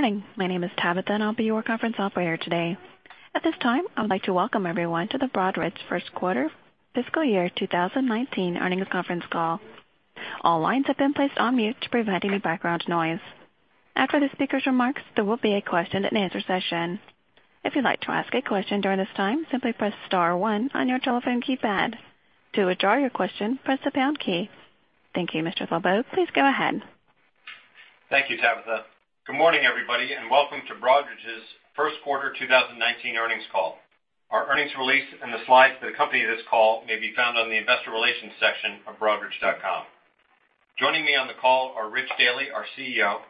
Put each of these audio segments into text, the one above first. Morning. My name is Tabitha, and I'll be your conference operator today. At this time, I would like to welcome everyone to the Broadridge first quarter fiscal year 2019 earnings conference call. All lines have been placed on mute to prevent any background noise. After the speaker's remarks, there will be a question and answer session. If you'd like to ask a question during this time, simply press star one on your telephone keypad. To withdraw your question, press the pound key. Thank you, Mr. LeBeau. Please go ahead. Thank you, Tabitha. Good morning, everybody, and welcome to Broadridge's first quarter 2019 earnings call. Our earnings release and the slides that accompany this call may be found on the investor relations section of broadridge.com. Joining me on the call are Rich Daly, our CEO,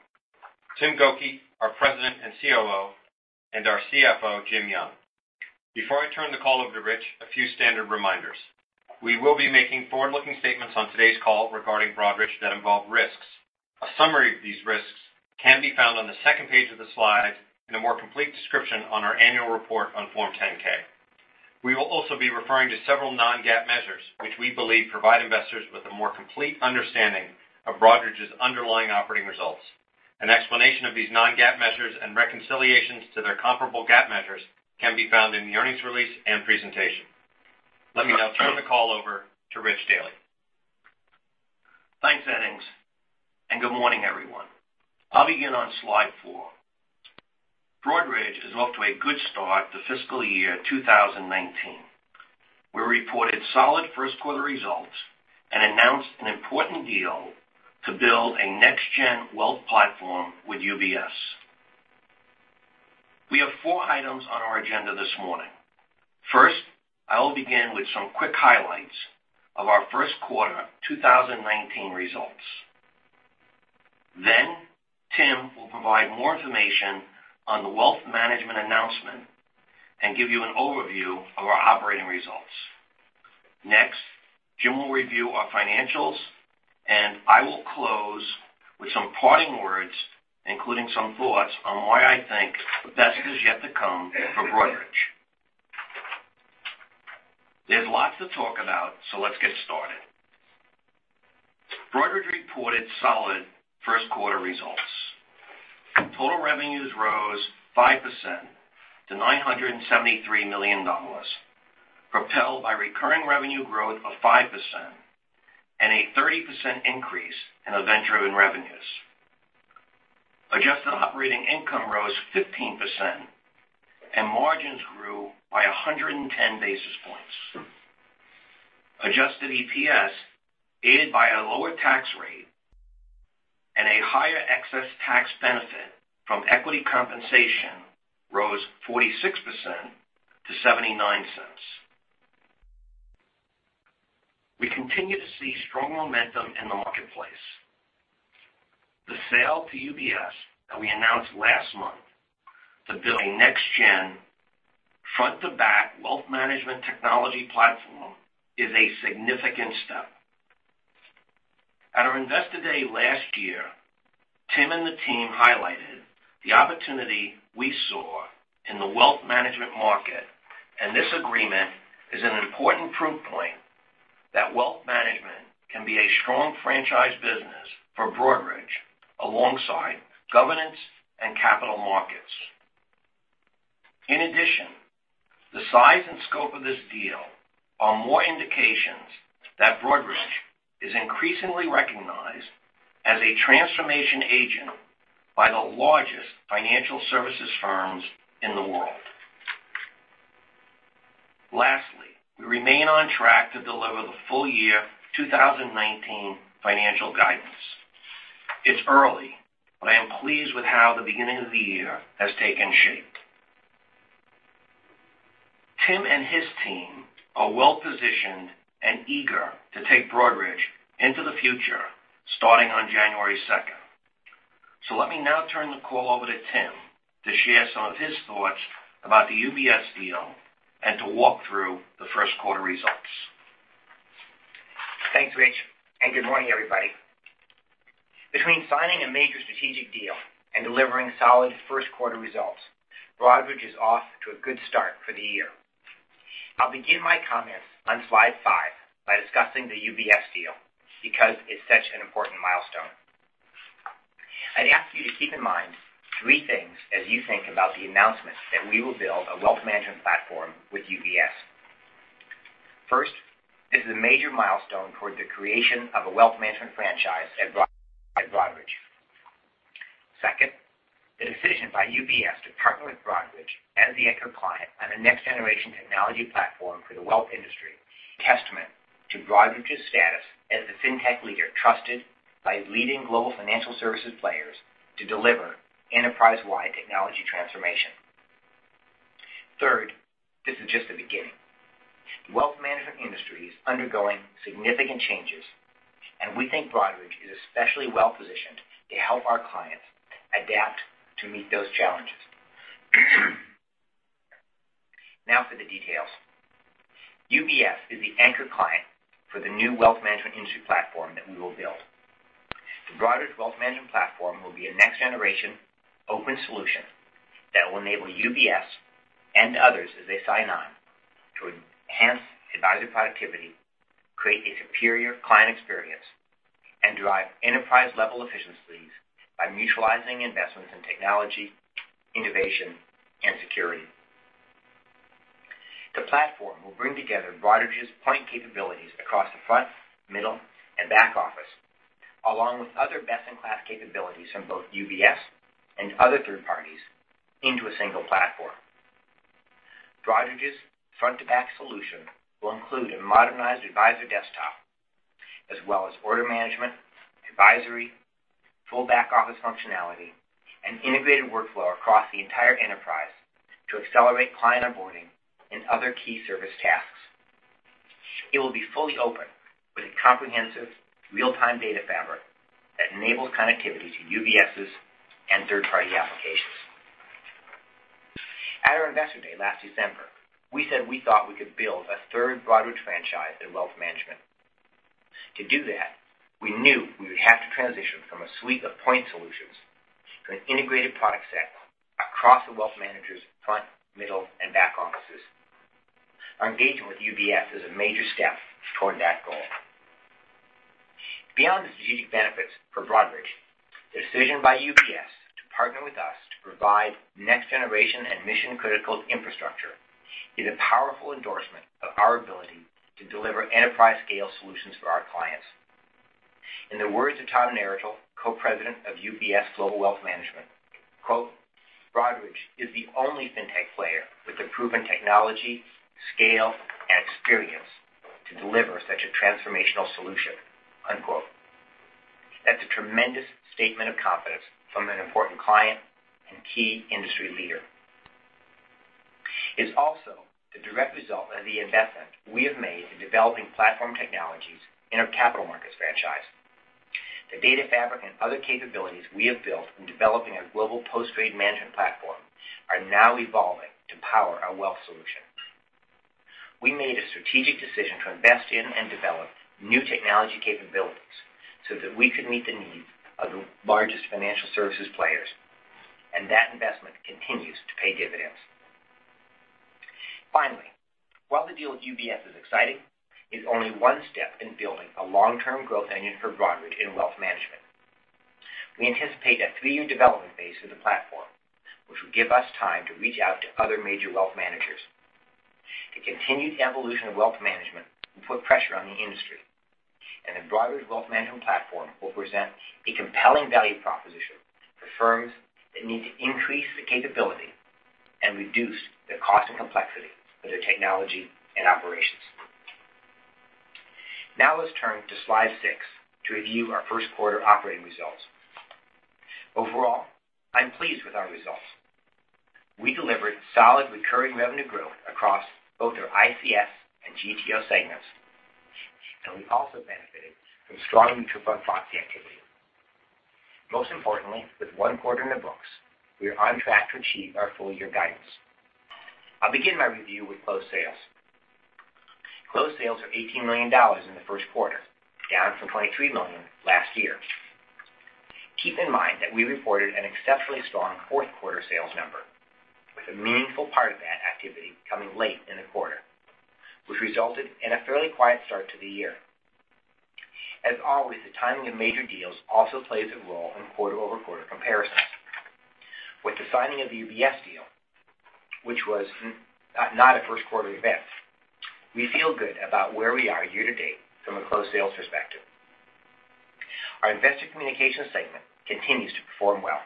Tim Gokey, our President and COO, and our CFO, Jim Young. Before I turn the call over to Rich, a few standard reminders. We will be making forward-looking statements on today's call regarding Broadridge that involve risks. A summary of these risks can be found on the second page of the slides, and a more complete description on our annual report on Form 10-K. We will also be referring to several non-GAAP measures, which we believe provide investors with a more complete understanding of Broadridge's underlying operating results. An explanation of these non-GAAP measures and reconciliations to their comparable GAAP measures can be found in the earnings release and presentation. Let me now turn the call over to Rich Daly. Thanks, Edings, and good morning, everyone. I'll begin on slide four. Broadridge is off to a good start to fiscal year 2019. We reported solid first quarter results and announced an important deal to build a next gen wealth platform with UBS. We have four items on our agenda this morning. First, I will begin with some quick highlights of our first quarter 2019 results. Tim will provide more information on the wealth management announcement and give you an overview of our operating results. Next, Jim will review our financials, and I will close with some parting words, including some thoughts on why I think the best is yet to come for Broadridge. There's lots to talk about, so let's get started. Broadridge reported solid first quarter results. Total revenues rose 5% to $973 million, propelled by recurring revenue growth of 5% and a 30% increase in event-driven revenues. Adjusted operating income rose 15%, and margins grew by 110 basis points. Adjusted EPS, aided by a lower tax rate and a higher excess tax benefit from equity compensation, rose 46% to $0.79. We continue to see strong momentum in the marketplace. The sale to UBS that we announced last month to build a next-gen front to back wealth management technology platform is a significant step. At our investor day last year, Tim and the team highlighted the opportunity we saw in the wealth management market, and this agreement is an important proof point that wealth management can be a strong franchise business for Broadridge alongside governance and capital markets. In addition, the size and scope of this deal are more indications that Broadridge is increasingly recognized as a transformation agent by the largest financial services firms in the world. Lastly, we remain on track to deliver the full year financial guidance. It's early, but I am pleased with how the beginning of the year has taken shape. Tim and his team are well positioned and eager to take Broadridge into the future starting on January second. Let me now turn the call over to Tim to share some of his thoughts about the UBS deal and to walk through the first quarter results. Thanks, Rich, and good morning, everybody. Between signing a major strategic deal and delivering solid first quarter results, Broadridge is off to a good start for the year. I'll begin my comments on slide five by discussing the UBS deal because it's such an important milestone. I'd ask you to keep in mind three things as you think about the announcement that we will build a wealth management platform with UBS. First, this is a major milestone toward the creation of a wealth management franchise at Broadridge. Second, the decision by UBS to partner with Broadridge as the anchor client on a next-generation technology platform for the wealth industry is a testament to Broadridge's status as the fintech leader trusted by leading global financial services players to deliver enterprise-wide technology transformation. Third, this is just the beginning. The wealth management industry is undergoing significant changes, we think Broadridge is especially well positioned to help our clients adapt to meet those challenges. Now for the details. UBS is the anchor client for the new wealth management industry platform that we will build. The Broadridge Wealth Management Platform will be a next-generation open solution that will enable UBS and others as they sign on to enhance advisor productivity, create a superior and drive enterprise-level efficiencies by mutualizing investments in technology, innovation, and security. The platform will bring together Broadridge's point capabilities across the front, middle, and back office, along with other best-in-class capabilities from both UBS and other third parties into a single platform. Broadridge's front-to-back solution will include a modernized advisor desktop as well as order management, advisory, full back-office functionality, and integrated workflow across the entire enterprise to accelerate client onboarding and other key service tasks. It will be fully open with a comprehensive real-time data fabric that enables connectivity to UBS's and third-party applications. At our investor day last December, we said we thought we could build a third Broadridge franchise in wealth management. To do that, we knew we would have to transition from a suite of point solutions to an integrated product set across the wealth managers' front, middle, and back offices. Our engagement with UBS is a major step toward that goal. Beyond the strategic benefits for Broadridge, the decision by UBS to partner with us to provide next-generation and mission-critical infrastructure is a powerful endorsement of our ability to deliver enterprise-scale solutions for our clients. In the words of Tom Naratil, Co-President of UBS Global Wealth Management, "Broadridge is the only fintech player with the proven technology, scale, and experience to deliver such a transformational solution. That's a tremendous statement of confidence from an important client and key industry leader. It's also the direct result of the investment we have made in developing platform technologies in our capital markets franchise. The data fabric and other capabilities we have built in developing our global post-trade management platform are now evolving to power our wealth solution. We made a strategic decision to invest in and develop new technology capabilities so that we could meet the needs of the largest financial services players. That investment continues to pay dividends. Finally, while the deal with UBS is exciting, it's only one step in building a long-term growth engine for Broadridge in wealth management. We anticipate a three-year development phase for the platform, which will give us time to reach out to other major wealth managers. The continued evolution of wealth management will put pressure on the industry. The Broadridge Wealth Management Platform will present a compelling value proposition for firms that need to increase their capability and reduce the cost and complexity of their technology and operations. Now let's turn to slide six to review our first quarter operating results. Overall, I'm pleased with our results. We delivered solid recurring revenue growth across both our ICS and GTO segments. We also benefited from strong mutual fund proxy activity. Most importantly, with one quarter in the books, we are on track to achieve our full-year guidance. I'll begin my review with closed sales. Closed sales are $18 million in the first quarter, down from $23 million last year. Keep in mind that we reported an exceptionally strong fourth quarter sales number, with a meaningful part of that activity coming late in the quarter, which resulted in a fairly quiet start to the year. As always, the timing of major deals also plays a role in quarter-over-quarter comparisons. With the signing of the UBS deal, which was not a first quarter event, we feel good about where we are year to date from a closed sales perspective. Our Investor Communications segment continues to perform well.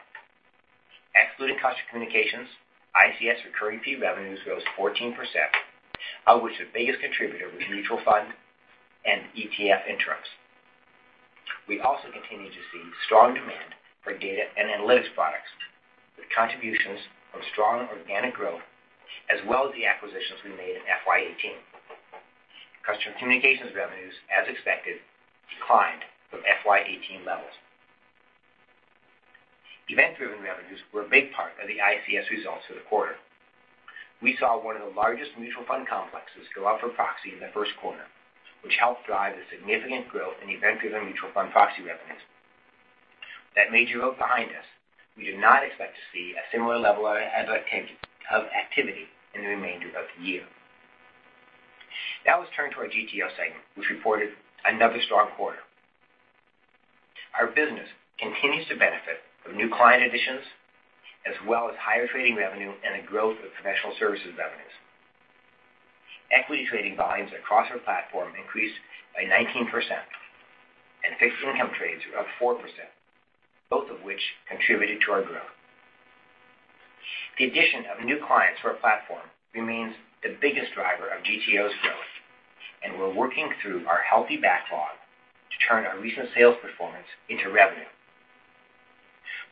Excluding Customer Communications, ICS recurring fee revenues rose 14%, of which the biggest contributor was mutual fund and ETF interests. We also continue to see strong demand for data and analytics products, with contributions from strong organic growth as well as the acquisitions we made in FY 2018. Customer Communications revenues, as expected, declined from FY 2018 levels. Event-driven revenues were a big part of the ICS results for the quarter. We saw one of the largest mutual fund complexes go out for proxy in the first quarter, which helped drive the significant growth in event-driven mutual fund proxy revenues. That major event behind us, we do not expect to see a similar level of activity in the remainder of the year. Let's turn to our GTO segment, which reported another strong quarter. Our business continues to benefit from new client additions, as well as higher trading revenue and a growth of professional services revenues. Equity trading volumes across our platform increased by 19%, and fixed income trades were up 4%, both of which contributed to our growth. The addition of new clients to our platform remains the biggest driver of GTO's growth, and we're working through our healthy backlog to turn our recent sales performance into revenue.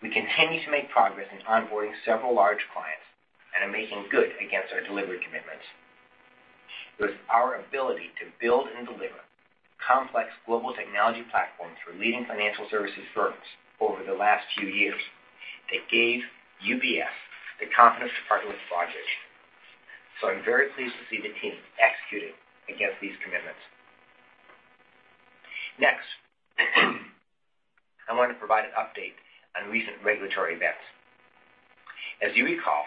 We continue to make progress in onboarding several large clients and are making good against our delivery commitments. It was our ability to build and deliver complex global technology platforms for leading financial services firms over the last few years that gave UBS the confidence to partner with Broadridge. I'm very pleased to see the team executing against these commitments. Next, I want to provide an update on recent regulatory events. As you recall,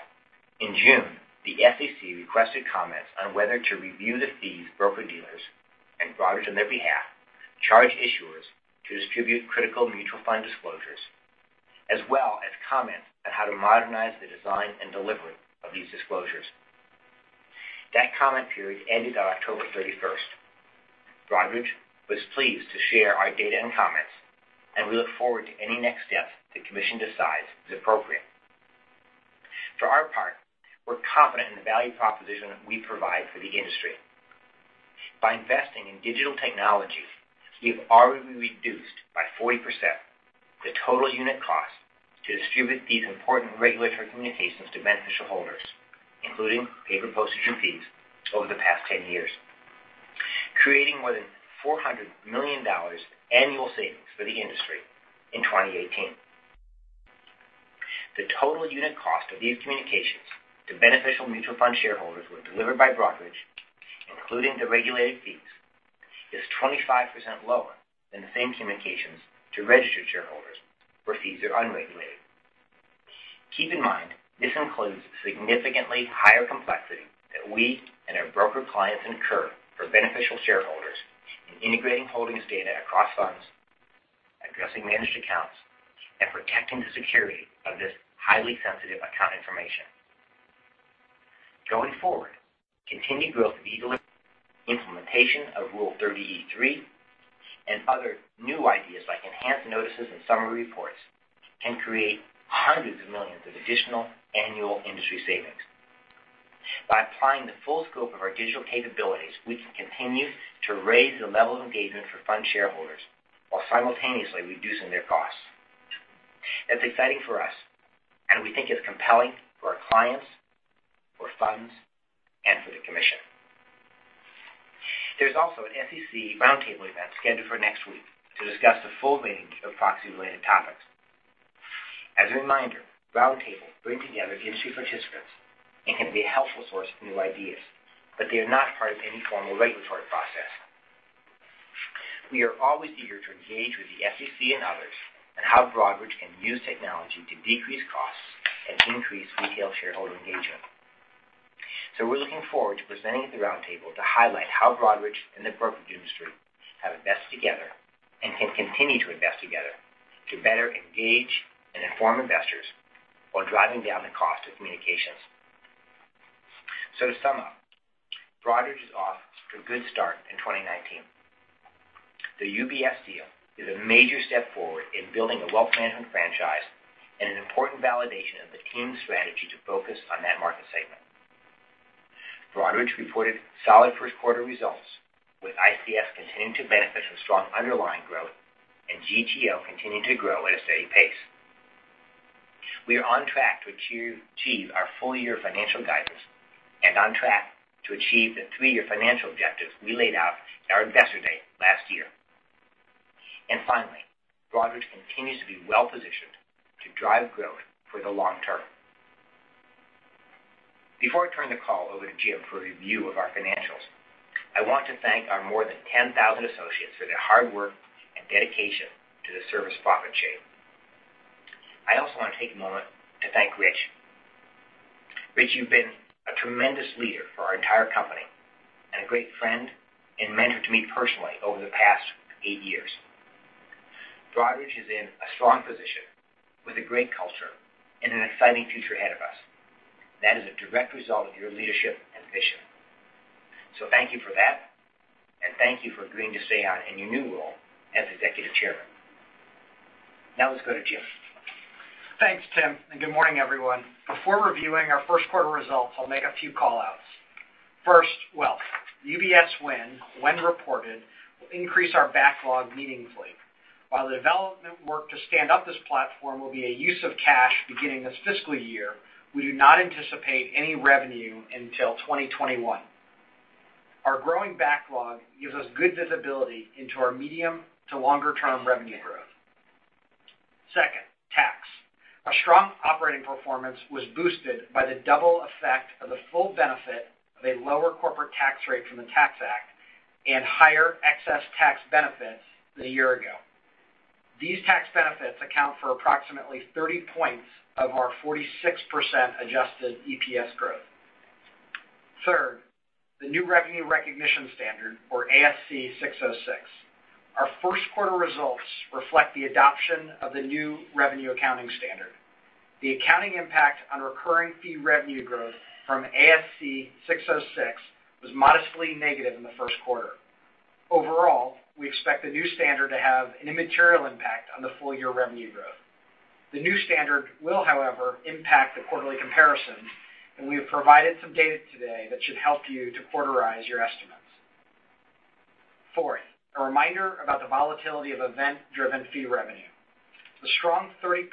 in June, the SEC requested comments on whether to review the fees broker-dealers and Broadridge on their behalf, charge issuers to distribute critical mutual fund disclosures, as well as comments on how to modernize the design and delivery of these disclosures. That comment period ended on October 31st. Broadridge was pleased to share our data and comments, and we look forward to any next steps the Commission decides is appropriate. For our part, we're confident in the value proposition we provide for the industry. By investing in digital technologies, we've already reduced by 40% the total unit cost to distribute these important regulatory communications to beneficial holders, including paper postage and fees over the past 10 years, creating more than $400 million annual savings for the industry in 2018. The total unit cost of these communications to beneficial mutual fund shareholders were delivered by Broadridge, including the regulated fees, is 25% lower than the same communications to registered shareholders where fees are unregulated. Keep in mind, this includes significantly higher complexity that we and our broker clients incur for beneficial shareholders in integrating holdings data across funds, addressing managed accounts, and protecting the security of this highly sensitive account information. Going forward, continued growth of eDelivery, implementation of Rule 30e-3, and other new ideas like enhanced notices and summary reports can create hundreds of millions of additional annual industry savings. By applying the full scope of our digital capabilities, we can continue to raise the level of engagement for fund shareholders while simultaneously reducing their costs. That's exciting for us, and we think it's compelling for our clients, for funds, and for the Commission. There's also an SEC roundtable event scheduled for next week to discuss the full range of proxy-related topics. As a reminder, roundtables bring together industry participants and can be a helpful source of new ideas, but they are not part of any formal regulatory process. We are always eager to engage with the SEC and others on how Broadridge can use technology to decrease costs and increase retail shareholder engagement. We are looking forward to presenting at the roundtable to highlight how Broadridge and the brokerage industry have invested together and can continue to invest together to better engage and inform investors while driving down the cost of communications. To sum up, Broadridge is off to a good start in 2019. The UBS deal is a major step forward in building a wealth management franchise and an important validation of the team's strategy to focus on that market segment. Broadridge reported solid first quarter results, with ICS continuing to benefit from strong underlying growth and GTO continuing to grow at a steady pace. We are on track to achieve our full year financial guidance and on track to achieve the three-year financial objectives we laid out at our Investor Day last year. Finally, Broadridge continues to be well-positioned to drive growth for the long term. Before I turn the call over to Jim for a review of our financials, I want to thank our more than 10,000 associates for their hard work and dedication to the Service-Profit Chain. I also want to take a moment to thank Rich. Rich, you've been a tremendous leader for our entire company and a great friend and mentor to me personally over the past eight years. Broadridge is in a strong position with a great culture and an exciting future ahead of us. That is a direct result of your leadership and vision. Thank you for that, and thank you for agreeing to stay on in your new role as Executive Chairman. Now let's go to Jim. Thanks, Tim. Good morning, everyone. Before reviewing our first quarter results, I'll make a few call-outs. First, wealth. UBS win, when reported, will increase our backlog meaningfully. While the development work to stand up this platform will be a use of cash beginning this fiscal year, we do not anticipate any revenue until 2021. Our growing backlog gives us good visibility into our medium to longer term revenue growth. Second, tax. Our strong operating performance was boosted by the double effect of the full benefit of a lower corporate tax rate from the Tax Act and higher excess tax benefits than a year ago. These tax benefits account for approximately 30 points of our 46% adjusted EPS growth. Third, the new revenue recognition standard, or ASC 606. Our first quarter results reflect the adoption of the new revenue accounting standard. The accounting impact on recurring fee revenue growth from ASC 606 was modestly negative in the first quarter. Overall, we expect the new standard to have an immaterial impact on the full year revenue growth. The new standard will, however, impact the quarterly comparison, and we have provided some data today that should help you to quarterize your estimates. Fourth, a reminder about the volatility of event-driven fee revenue. The strong 30%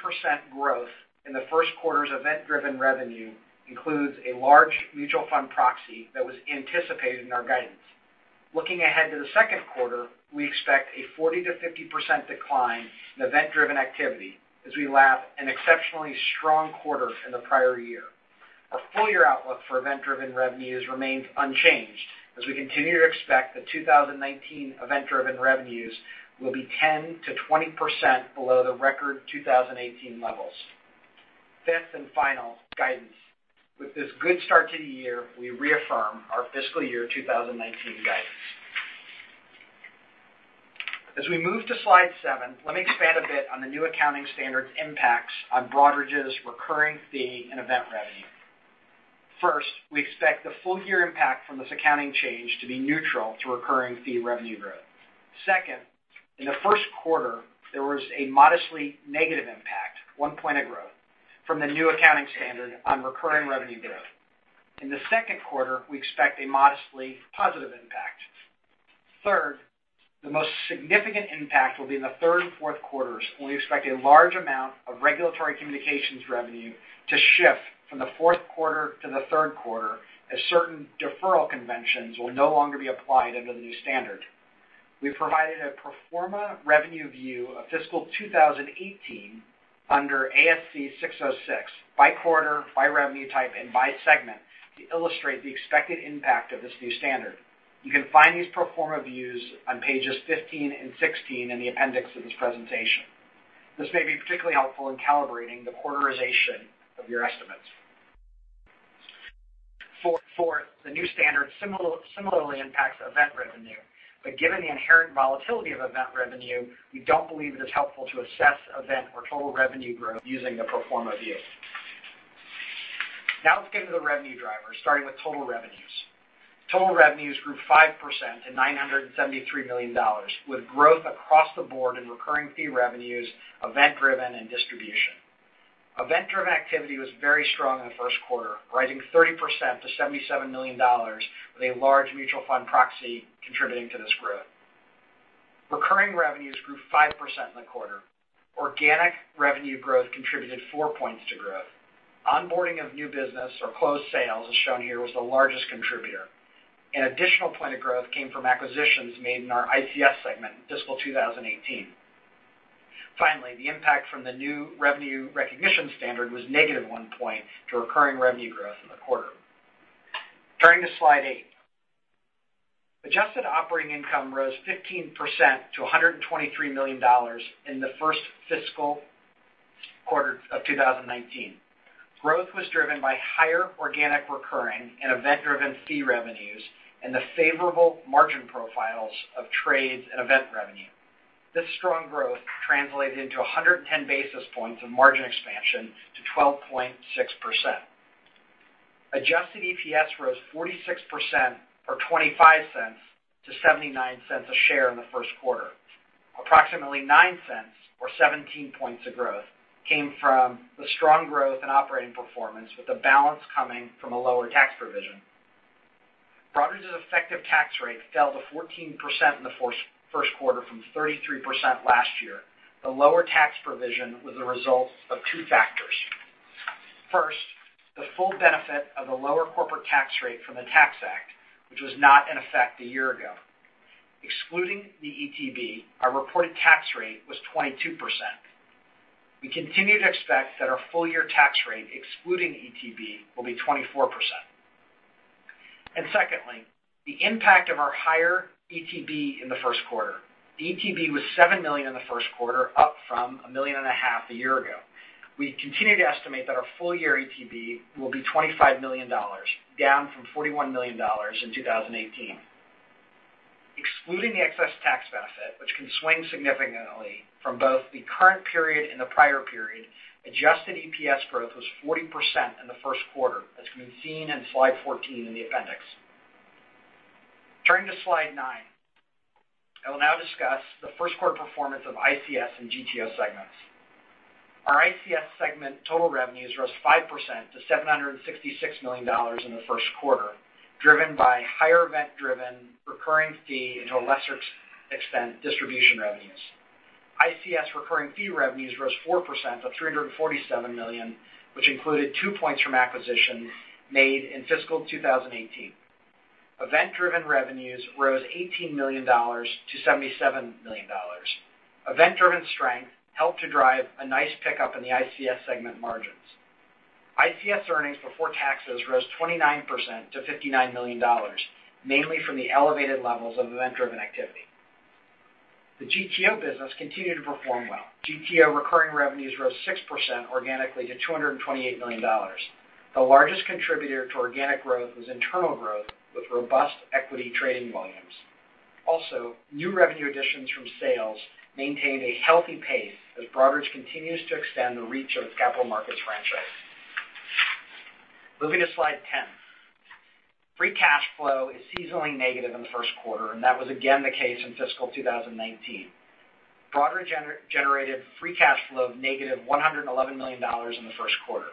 growth in the first quarter's event-driven revenue includes a large mutual fund proxy that was anticipated in our guidance. Looking ahead to the second quarter, we expect a 40%-50% decline in event-driven activity as we lap an exceptionally strong quarter in the prior year. Full year outlook for event-driven revenues remains unchanged as we continue to expect that 2019 event-driven revenues will be 10%-20% below the record 2018 levels. Fifth and final, guidance. With this good start to the year, we reaffirm our fiscal year 2019 guidance. As we move to slide seven, let me expand a bit on the new accounting standards impacts on Broadridge's recurring fee and event revenue. First, we expect the full year impact from this accounting change to be neutral to recurring fee revenue growth. Second, in the first quarter, there was a modestly negative impact, one point of growth, from the new accounting standard on recurring revenue growth. In the second quarter, we expect a modestly positive impact. Third, the most significant impact will be in the third and fourth quarters, when we expect a large amount of regulatory communications revenue to shift from the fourth quarter to the third quarter as certain deferral conventions will no longer be applied under the new standard. We've provided a pro forma revenue view of fiscal 2018 under ASC 606 by quarter, by revenue type, and by segment to illustrate the expected impact of this new standard. You can find these pro forma views on pages 15 and 16 in the appendix of this presentation. This may be particularly helpful in calibrating the quarterization of your estimates. Fourth, the new standard similarly impacts event revenue. Given the inherent volatility of event revenue, we don't believe it is helpful to assess event or total revenue growth using the pro forma view. Now let's get into the revenue drivers, starting with total revenues. Total revenues grew 5% to $973 million, with growth across the board in recurring fee revenues, event driven, and distribution. Event-driven activity was very strong in the first quarter, rising 30% to $77 million, with a large mutual fund proxy contributing to this growth. Recurring revenues grew 5% in the quarter. Organic revenue growth contributed four points to growth. Onboarding of new business or closed sales, as shown here, was the largest contributor. An additional point of growth came from acquisitions made in our ICS segment in fiscal 2018. Finally, the impact from the new revenue recognition standard was negative one point to recurring revenue growth in the quarter. Turning to slide eight. Adjusted operating income rose 15% to $123 million in the first fiscal quarter of 2019. Growth was driven by higher organic recurring and event-driven fee revenues and the favorable margin profiles of trades and event revenue. This strong growth translated into 110 basis points of margin expansion to 12.6%. Adjusted EPS rose 46%, or $0.25, to $0.79 a share in the first quarter. Approximately $0.09, or 17 points of growth, came from the strong growth and operating performance, with the balance coming from a lower tax provision. Broadridge's effective tax rate fell to 14% in the first quarter from 33% last year. The lower tax provision was a result of two factors. First, the full benefit of the lower corporate tax rate from the Tax Act, which was not in effect a year ago. Excluding the ETB, our reported tax rate was 22%. We continue to expect that our full-year tax rate, excluding ETB, will be 24%. Secondly, the impact of our higher ETB in the first quarter. ETB was $7 million in the first quarter, up from $1.5 million a year ago. We continue to estimate that our full-year ETB will be $25 million, down from $41 million in 2018. Excluding the excess tax benefit, which can swing significantly from both the current period and the prior period, adjusted EPS growth was 40% in the first quarter, as can be seen in slide 14 in the appendix. Turning to slide nine. I will now discuss the first quarter performance of ICS and GTO segments. Our ICS segment total revenues rose 5% to $766 million in the first quarter, driven by higher event-driven recurring fee and to a lesser extent, distribution revenues. ICS recurring fee revenues rose 4% to $347 million, which included two points from acquisition made in fiscal 2018. Event-driven revenues rose $18 million to $77 million. Event-driven strength helped to drive a nice pickup in the ICS segment margins. ICS earnings before taxes rose 29% to $59 million, mainly from the elevated levels of event-driven activity. The GTO business continued to perform well. GTO recurring revenues rose 6% organically to $228 million. The largest contributor to organic growth was internal growth with robust equity trading volumes. New revenue additions from sales maintained a healthy pace as Broadridge continues to extend the reach of its capital markets franchise. Moving to slide 10. Free cash flow is seasonally negative in the first quarter, and that was again the case in fiscal 2019. Broadridge generated free cash flow of negative $111 million in the first quarter.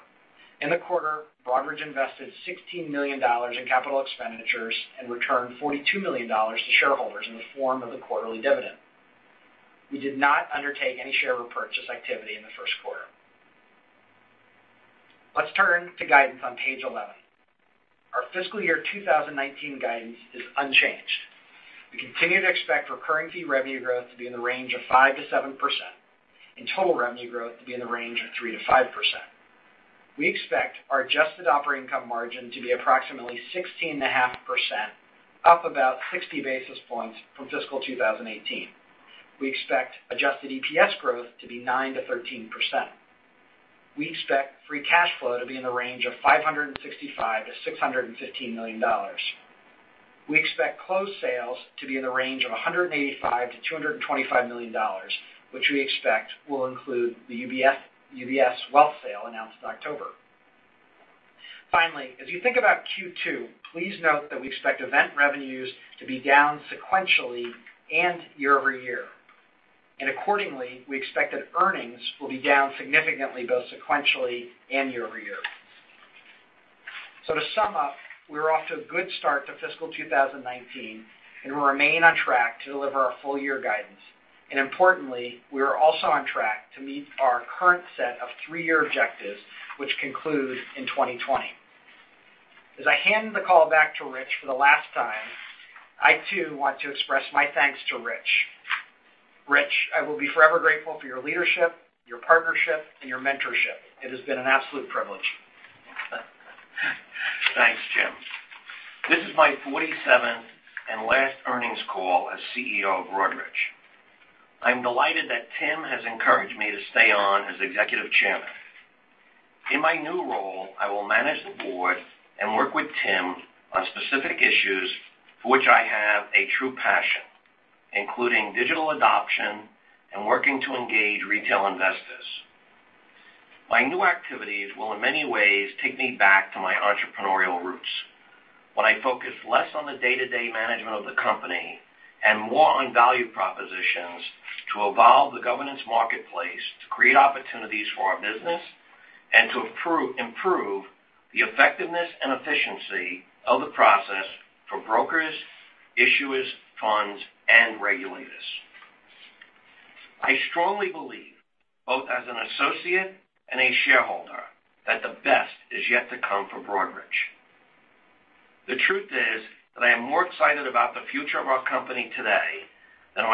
In the quarter, Broadridge invested $16 million in capital expenditures and returned $42 million to shareholders in the form of a quarterly dividend. We did not undertake any share repurchase activity in the first quarter. Let's turn to guidance on page 11. Our fiscal year 2019 guidance is unchanged. We continue to expect recurring fee revenue growth to be in the range of 5%-7%, and total revenue growth to be in the range of 3%-5%. We expect our adjusted operating income margin to be approximately 16.5%, up about 60 basis points from fiscal 2018. We expect adjusted EPS growth to be 9%-13%. We expect free cash flow to be in the range of $565 million-$615 million. We expect closed sales to be in the range of $185 million-$225 million, which we expect will include the UBS wealth sale announced in October. Finally, as you think about Q2, please note that we expect event revenues to be down sequentially and year-over-year. Accordingly, we expect that earnings will be down significantly, both sequentially and year-over-year. To sum up, we are off to a good start to fiscal 2019 and remain on track to deliver our full year guidance. Importantly, we are also on track to meet our current set of three-year objectives, which conclude in 2020. As I hand the call back to Rich for the last time, I too want to express my thanks to Rich. Rich, I will be forever grateful for your leadership, your partnership, and your mentorship. It has been an absolute privilege. Thanks, Jim. This is my 47th and last earnings call as CEO of Broadridge. I'm delighted that Tim has encouraged me to stay on as executive chairman. In my new role, I will manage the board and work with Tim on specific issues for which I have a true passion, including digital adoption and working to engage retail investors. My new activities will, in many ways, take me back to my entrepreneurial roots when I focus less on the day-to-day management of the company and more on value propositions to evolve the governance marketplace, to create opportunities for our business, and to improve the effectiveness and efficiency of the process for brokers, issuers, funds, and regulators. I strongly believe, both as an associate and a shareholder, that the best is yet to come for Broadridge. The truth is that I am more excited about the future of our company today than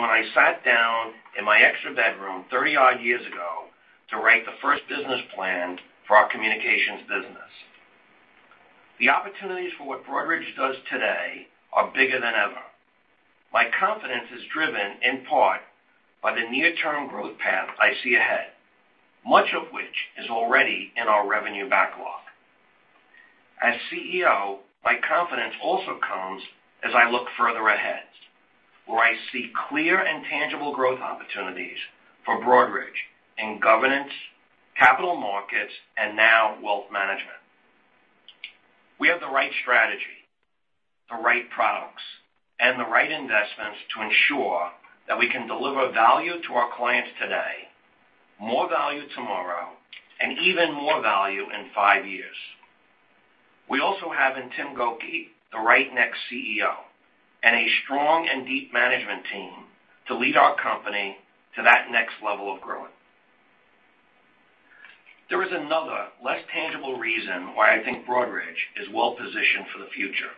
when I sat down in my extra bedroom 30-odd years ago to write the first business plan for our communications business. The opportunities for what Broadridge does today are bigger than ever. My confidence is driven in part by the near-term growth path I see ahead, much of which is already in our revenue backlog. As CEO, my confidence also comes as I look further ahead, where I see clear and tangible growth opportunities for Broadridge in governance, capital markets, and now wealth management. We have the right strategy, the right products, and the right investments to ensure that we can deliver value to our clients today, more value tomorrow, and even more value in five years. We also have in Tim Gokey, the right next CEO, and a strong and deep management team to lead our company to that next level of growth. There is another, less tangible reason why I think Broadridge is well positioned for the future.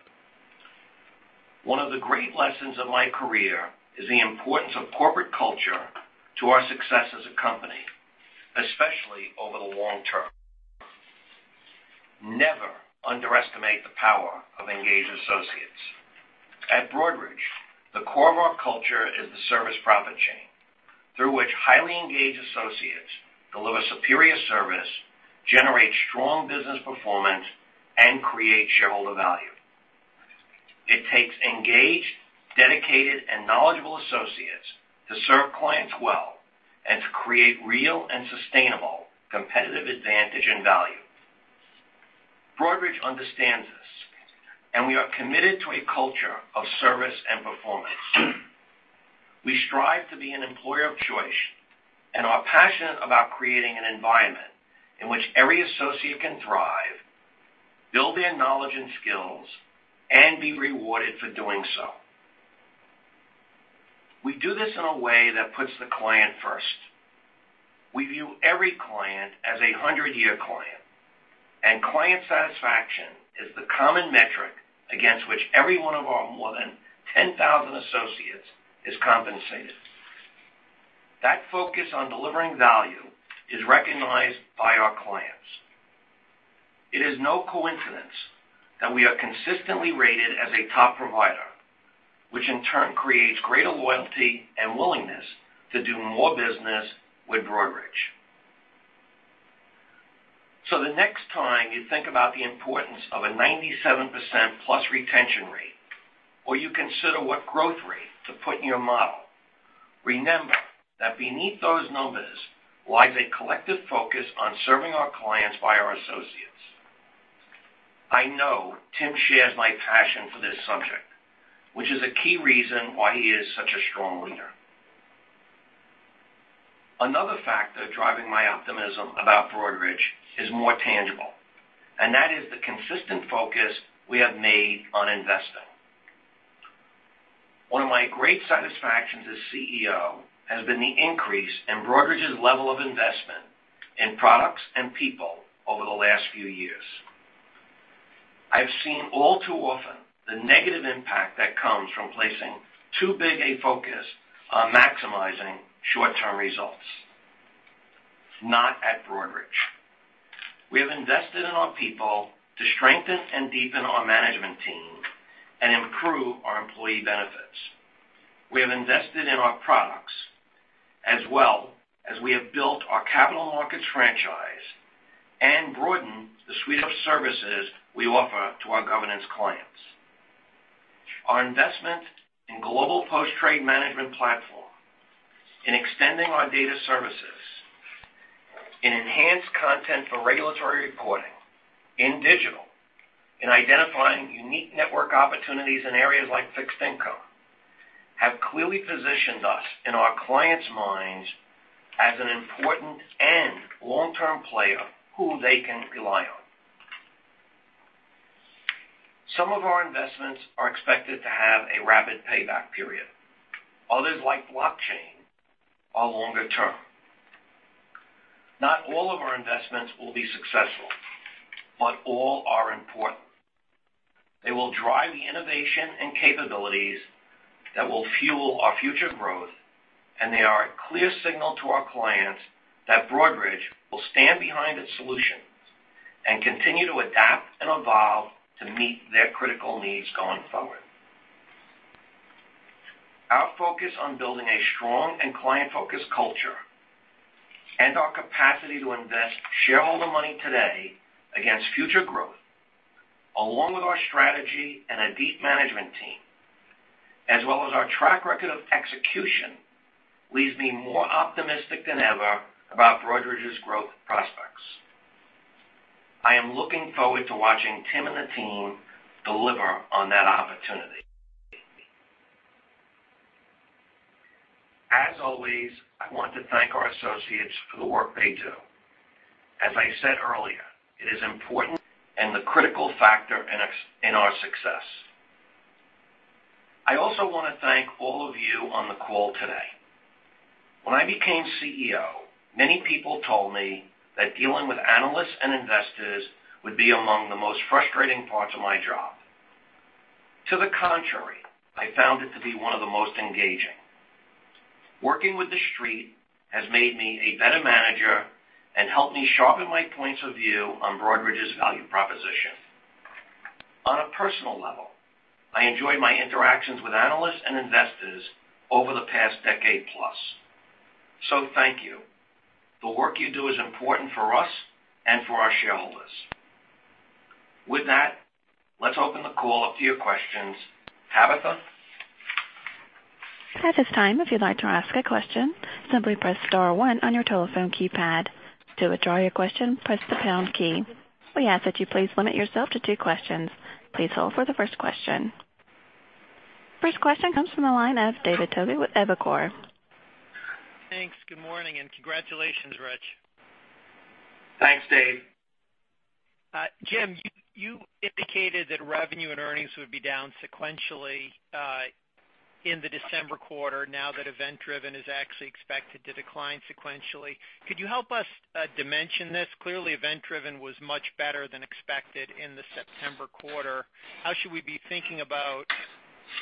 One of the great lessons of my career is the importance of corporate culture to our success as a company, especially over the long term. Never underestimate the power of engaged associates. At Broadridge, the core of our culture is the service profit chain, through which highly engaged associates deliver superior service, generate strong business performance, and create shareholder value. It takes engaged, dedicated, and knowledgeable associates to serve clients well and to create real and sustainable competitive advantage and value. Broadridge understands this, and we are committed to a culture of service and performance. We strive to be an employer of choice and are passionate about creating an environment in which every associate can thrive, build their knowledge and skills, and be rewarded for doing so. We do this in a way that puts the client first. We view every client as a 100-year client, and client satisfaction is the common metric against which every one of our more than 10,000 associates is compensated. That focus on delivering value is recognized by our clients. It is no coincidence that we are consistently rated as a top provider, which in turn creates greater loyalty and willingness to do more business with Broadridge. The next time you think about the importance of a 97%-plus retention rate, or you consider what growth rate to put in your model, remember that beneath those numbers lies a collective focus on serving our clients by our associates. I know Tim shares my passion for this subject, which is a key reason why he is such a strong leader. Another factor driving my optimism about Broadridge is more tangible, and that is the consistent focus we have made on investing. One of my great satisfactions as CEO has been the increase in Broadridge's level of investment in products and people over the last few years. I've seen all too often the negative impact that comes from placing too big a focus on maximizing short-term results. Not at Broadridge. We have invested in our people to strengthen and deepen our management team and improve our employee benefits. We have invested in our products, as well as we have built our capital markets franchise and broadened the suite of services we offer to our governance clients. Our investment in global post-trade management platform, in extending our data services, in enhanced content for regulatory reporting, in digital, in identifying unique network opportunities in areas like fixed income, have clearly positioned us in our clients' minds as an important and long-term player who they can rely on. Some of our investments are expected to have a rapid payback period. Others, like blockchain, are longer-term. Not all of our investments will be successful, but all are important. They will drive the innovation and capabilities that will fuel our future growth, and they are a clear signal to our clients that Broadridge will stand behind its solutions and continue to adapt and evolve to meet their critical needs going forward. Our focus on building a strong and client-focused culture and our capacity to invest shareholder money today against future growth, along with our strategy and a deep management team, as well as our track record of execution, leaves me more optimistic than ever about Broadridge's growth prospects. I am looking forward to watching Tim and the team deliver on that opportunity. As always, I want to thank our associates for the work they do. As I said earlier, it is important and the critical factor in our success. I also want to thank all of you on the call today. When I became CEO, many people told me that dealing with analysts and investors would be among the most frustrating parts of my job. To the contrary, I found it to be one of the most engaging. Working with the Street has made me a better manager and helped me sharpen my points of view on Broadridge's value proposition. On a personal level, I enjoyed my interactions with analysts and investors over the past decade-plus. Thank you. The work you do is important for us and for our shareholders. With that, let's open the call up to your questions. Tabitha? At this time, if you'd like to ask a question, simply press star one on your telephone keypad. To withdraw your question, press the pound key. We ask that you please limit yourself to two questions. Please hold for the first question. First question comes from the line of David Togut with Evercore. Thanks. Good morning, and congratulations, Rich. Thanks, Dave. Jim, you indicated that revenue and earnings would be down sequentially in the December quarter now that event-driven is actually expected to decline sequentially. Could you help us dimension this? Clearly, event-driven was much better than expected in the September quarter. How should we be thinking about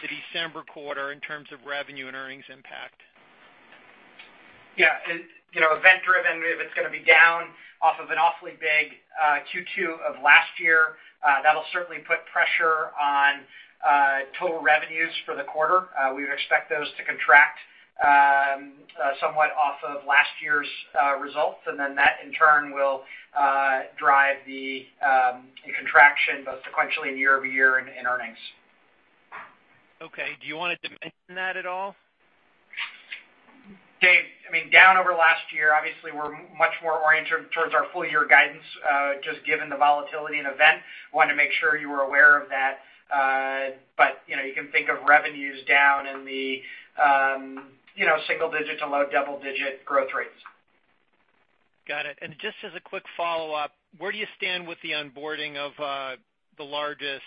the December quarter in terms of revenue and earnings impact? Yeah. Event-driven, if it's going to be down off of an awfully big Q2 of last year, that'll certainly put pressure on total revenues for the quarter. We would expect those to contract somewhat off of last year's results. That in turn will drive the contraction both sequentially and year-over-year in earnings. Okay. Do you want to dimension that at all? Dave, down over last year, obviously, we're much more oriented towards our full-year guidance, just given the volatility in event. Wanted to make sure you were aware of that. You can think of revenues down in the single digit to low double-digit growth rates. Just as a quick follow-up, where do you stand with the onboarding of the largest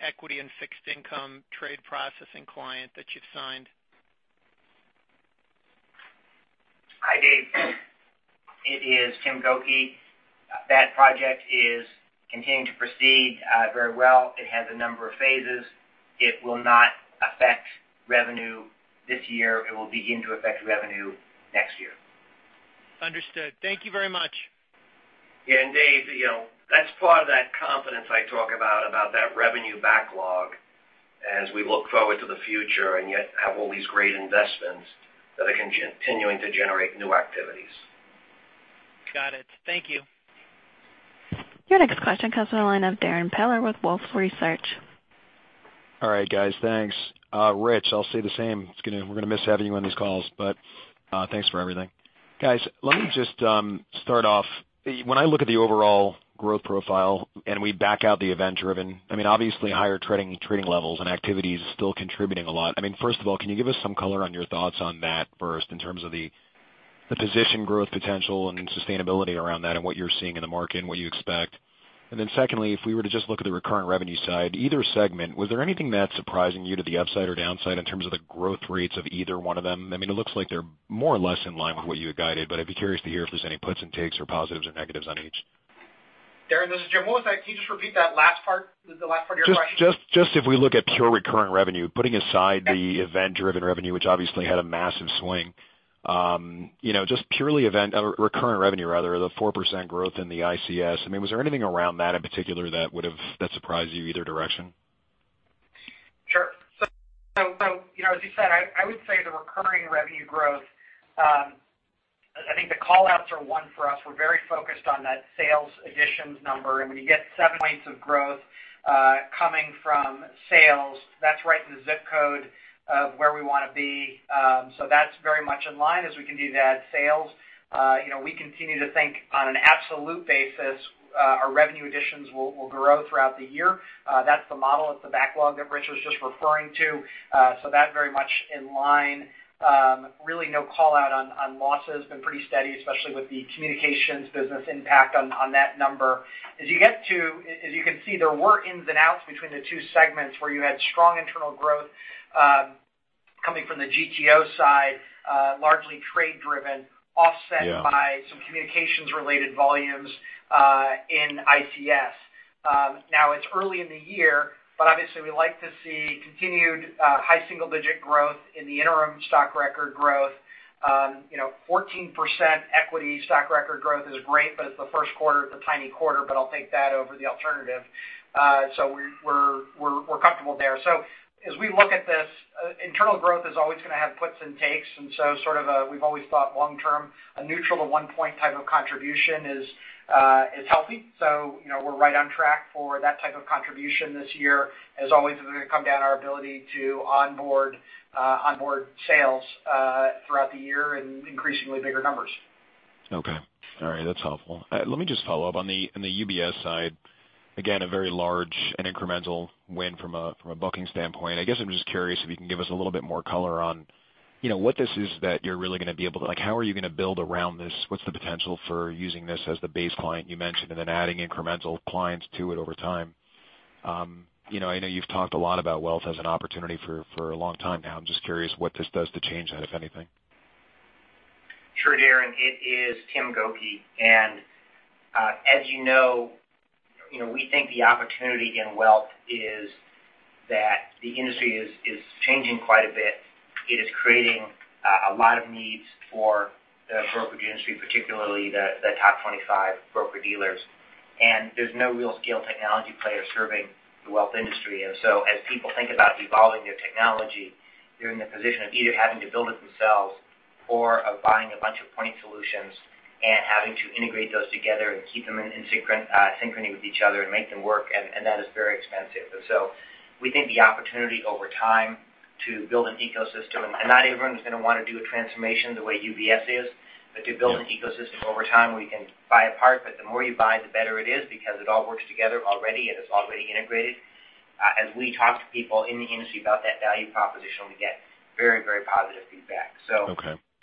equity and fixed income trade processing client that you've signed? Hi, David. It is Tim Gokey. That project is continuing to proceed very well. It has a number of phases. It will not affect revenue this year. It will begin to affect revenue next year. Understood. Thank you very much. Yeah. David, that's part of that confidence I talk about that revenue backlog as we look forward to the future and yet have all these great investments that are continuing to generate new activities. Got it. Thank you. Your next question comes from the line of Darrin Peller with Wolfe Research. All right, guys. Thanks. Rich, I'll say the same. We're going to miss having you on these calls, but thanks for everything. Guys, let me just start off. When I look at the overall growth profile and we back out the event-driven, obviously higher trading levels and activity is still contributing a lot. First of all, can you give us some color on your thoughts on that first in terms of the position growth potential and sustainability around that, and what you're seeing in the market and what you expect. Then secondly, if we were to just look at the recurring revenue side, either segment, was there anything that's surprising you to the upside or downside in terms of the growth rates of either one of them? It looks like they're more or less in line with what you had guided, I'd be curious to hear if there's any puts and takes or positives or negatives on each. Darrin, this is Jim. What was that? Can you just repeat that last part? The last part of your question. If we look at pure recurring revenue, putting aside the event-driven revenue, which obviously had a massive swing. Purely recurring revenue rather, the 4% growth in the ICS. Was there anything around that in particular that surprised you either direction? Sure. As you said, I would say the recurring revenue growth, I think the call-outs are one for us. We're very focused on that sales additions number. When you get 7 points of growth coming from sales, that's right in the zip code of where we want to be. That's very much in line as we continue to add sales. We continue to think on an absolute basis our revenue additions will grow throughout the year. That's the model. That's the backlog that Rich was just referring to. That very much in line. Really no call-out on losses. Been pretty steady, especially with the communications business impact on that number. As you can see, there were ins and outs between the two segments where you had strong internal growth coming from the GTO side, largely trade driven, offset- Yeah by some communications related volumes in ICS. It's early in the year, but obviously we like to see continued high single-digit growth in the interim stock record growth. 14% equity stock record growth is great, but it's the first quarter. It's a tiny quarter, but I'll take that over the alternative. We're comfortable there. As we look at this, internal growth is always going to have puts and takes, sort of we've always thought long-term, a neutral to 1 point type of contribution is healthy. We're right on track for that type of contribution this year. As always, it's going to come down to our ability to onboard sales throughout the year in increasingly bigger numbers. Okay. All right. That's helpful. Let me just follow up. On the UBS side, again, a very large and incremental win from a booking standpoint. I guess I'm just curious if you can give us a little bit more color on what this is that how are you going to build around this? What's the potential for using this as the base client you mentioned, and then adding incremental clients to it over time? I know you've talked a lot about wealth as an opportunity for a long time now. I'm just curious what this does to change that, if anything. Sure, Darrin. It is Tim Gokey. As you know, we think the opportunity in wealth is that the industry is changing quite a bit. It is creating a lot of needs for the brokerage industry, particularly the top 25 broker-dealers. There's no real scale technology player serving the wealth industry. As people think about evolving their technology, they're in the position of either having to build it themselves or of buying a bunch of point solutions and having to integrate those together and keep them in synchrony with each other and make them work. That is very expensive. We think the opportunity over time to build an ecosystem, not everyone's going to want to do a transformation the way UBS is. To build an ecosystem over time where you can buy a part, but the more you buy, the better it is because it all works together already and it's already integrated. As we talk to people in the industry about that value proposition, we get very positive feedback.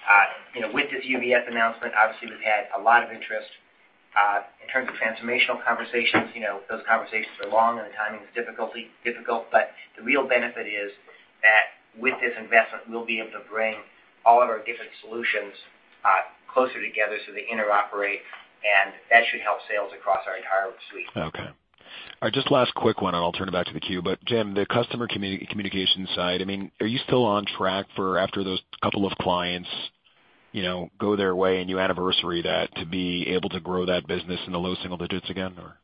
Okay. With this UBS announcement, obviously we've had a lot of interest. In terms of transformational conversations, those conversations are long and the timing is difficult. The real benefit is that with this investment, we'll be able to bring all of our different solutions closer together so they interoperate, and that should help sales across our entire suite. Okay. All right, just last quick one, I'll turn it back to the queue. Jim, the Customer Communications side, are you still on track for after those couple of clients go their way and you anniversary that to be able to grow that business in the low single digits again or?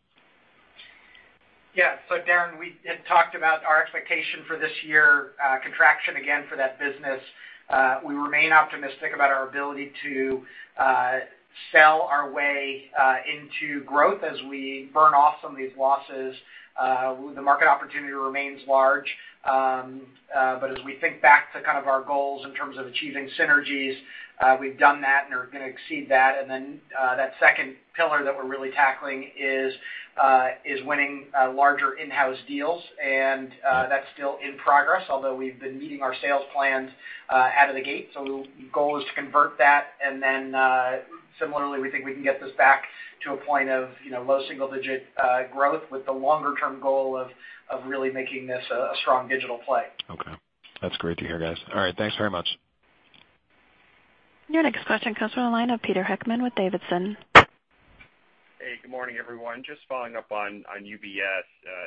Yeah. Darrin, we had talked about our expectation for this year, contraction again for that business. We remain optimistic about our ability to sell our way into growth as we burn off some of these losses. The market opportunity remains large. As we think back to our goals in terms of achieving synergies, we've done that and are going to exceed that. Then that second pillar that we're really tackling is winning larger in-house deals. That's still in progress, although we've been meeting our sales plans out of the gate. The goal is to convert that. Then similarly, we think we can get this back to a point of low single-digit growth with the longer-term goal of really making this a strong digital play. Okay. That's great to hear, guys. All right. Thanks very much. Your next question comes from the line of Peter Heckmann with Davidson. Good morning, everyone. Just following up on UBS.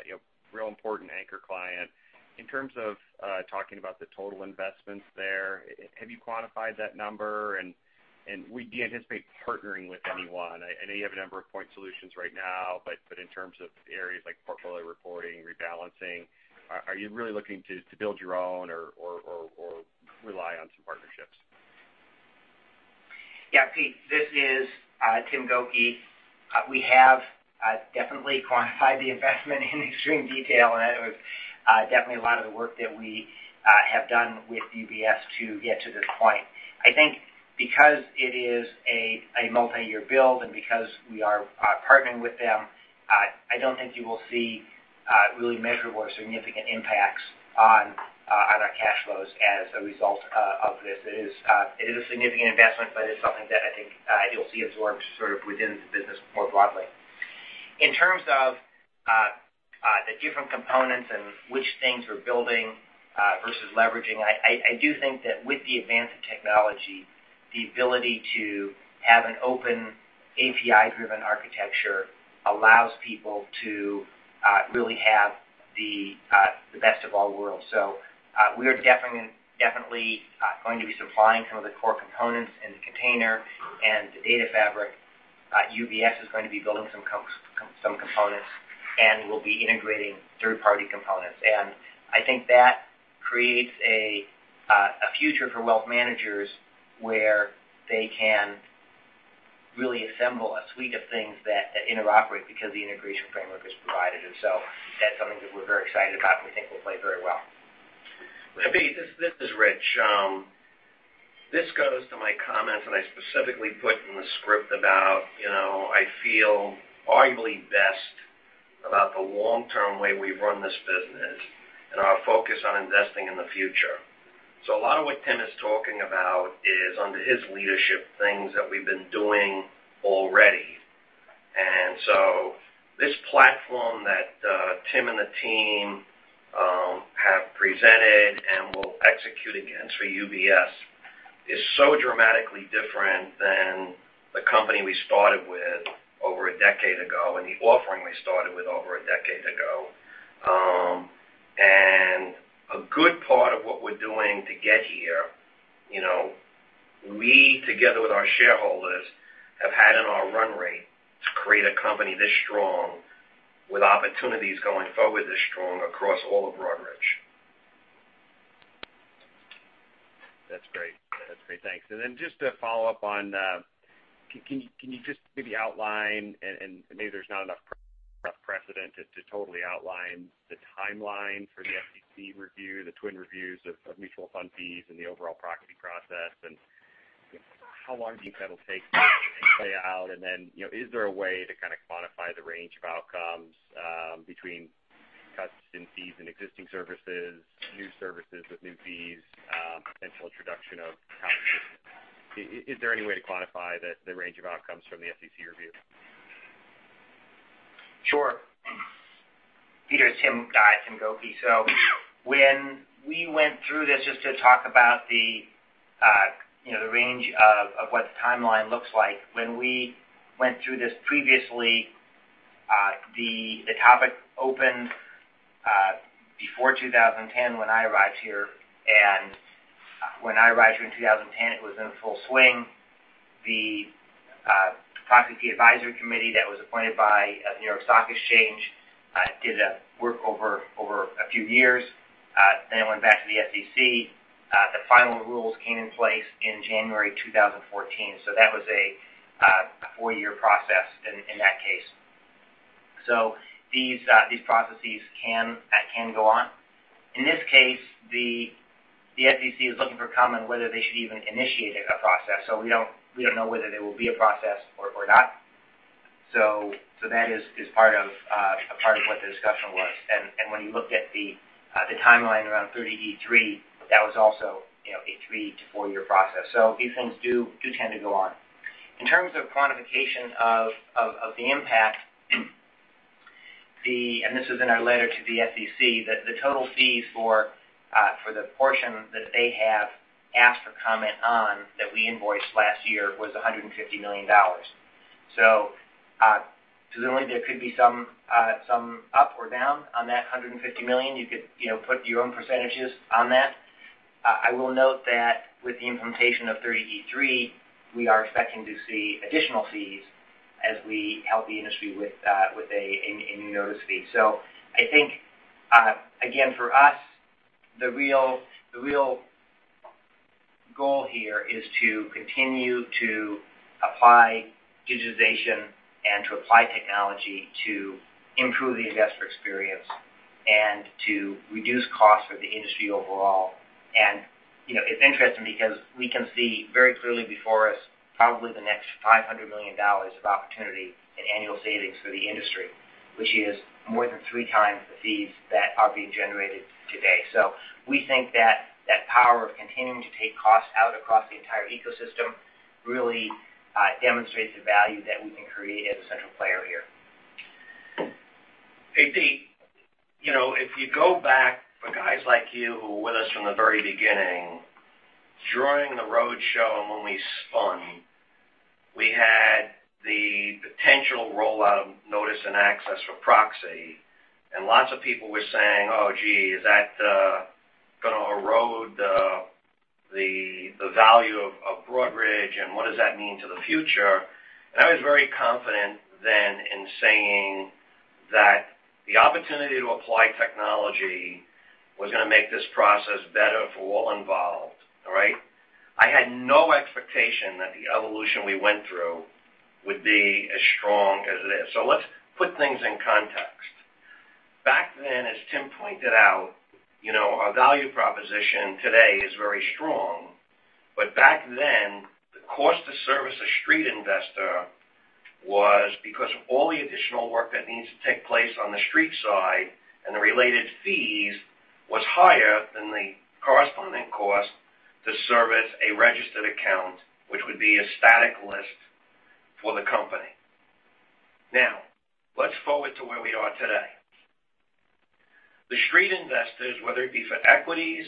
A real important anchor client. In terms of talking about the total investments there, have you quantified that number? Would you anticipate partnering with anyone? I know you have a number of point solutions right now, but in terms of areas like portfolio reporting, rebalancing, are you really looking to build your own or rely on some partnerships? Yeah, Peter, this is Tim Gokey. We have definitely quantified the investment in extreme detail, and it was definitely a lot of the work that we have done with UBS to get to this point. I think because it is a multi-year build and because we are partnering with them, I don't think you will see Really measurable or significant impacts on our cash flows as a result of this. It is a significant investment, but it's something that I think you'll see absorbed sort of within the business more broadly. In terms of the different components and which things we're building versus leveraging, I do think that with the advance of technology, the ability to have an open API-driven architecture allows people to really have the best of all worlds. We are definitely going to be supplying some of the core components in the container and the data fabric. UBS is going to be building some components, and we'll be integrating third-party components. I think that creates a future for wealth managers where they can really assemble a suite of things that interoperate because the integration framework is provided. That's something that we're very excited about and we think will play very well. Hey, Pete, this is Rich. This goes to my comments that I specifically put in the script about, I feel arguably best about the long-term way we've run this business and our focus on investing in the future. A lot of what Tim is talking about is under his leadership, things that we've been doing already. This platform that Tim and the team have presented and will execute against for UBS is so dramatically different than the company we started with over a decade ago and the offering we started with over a decade ago. A good part of what we're doing to get here, we, together with our shareholders, have had in our run rate to create a company this strong with opportunities going forward this strong across all of Broadridge. That's great. Thanks. Just to follow up on Can you just maybe outline, and maybe there's not enough precedent to totally outline the timeline for the SEC review, the twin reviews of mutual fund fees, and the overall proxy process. How long do you think that'll take to play out? Is there a way to kind of quantify the range of outcomes between cuts in fees and existing services, new services with new fees, potential introduction of competition? Is there any way to quantify the range of outcomes from the SEC review? Sure. Peter, it's Tim. Guys, Tim Gokey. When we went through this just to talk about the range of what the timeline looks like. When we went through this previously, the topic opened before 2010 when I arrived here, and when I arrived here in 2010, it was in full swing. The Proxy Advisory Committee that was appointed by the New York Stock Exchange did work over a few years. It went back to the SEC. The final rules came in place in January 2014. That was a four-year process in that case. These processes can go on. In this case, the SEC is looking for comment whether they should even initiate a process. We don't know whether there will be a process or not. That is part of what the discussion was. When you looked at the timeline around 30E3, that was also a three to four-year process. These things do tend to go on. In terms of quantification of the impact, and this is in our letter to the SEC, that the total fees for the portion that they have asked for comment on that we invoiced last year was $150 million. Presumably there could be some up or down on that $150 million. You could put your own percentages on that. I will note that with the implementation of 30E3, we are expecting to see additional fees as we help the industry with a new notice fee. I think, again, for us, the real goal here is to continue to apply digitization and to apply technology to improve the investor experience and to reduce costs for the industry overall. It's interesting because we can see very clearly before us probably the next $500 million of opportunity in annual savings for the industry, which is more than three times the fees that are being generated today. We think that that power of continuing to take costs out across the entire ecosystem really demonstrates the value that we can create as a central player here. Hey, Pete. If you go back for guys like you who were with us from the very beginning, during the roadshow and when we spun, we had the potential rollout of notice and access for proxy. Lots of people were saying, "Oh, gee, is that going to erode the value of Broadridge? What does that mean to the future?" I was very confident then in saying that the opportunity to apply technology was going to make this process better for all involved. All right? I had no expectation that the evolution we went through would be as strong as it is. Let's put things in context. Back then, as Tim pointed out, our value proposition today is very strong. But back then, the cost to service a street investor was because of all the additional work that needs to take place on the street side, and the related fees was higher than the corresponding cost to service a registered account, which would be a static list for the company. Let's forward to where we are today. The street investors, whether it be for equities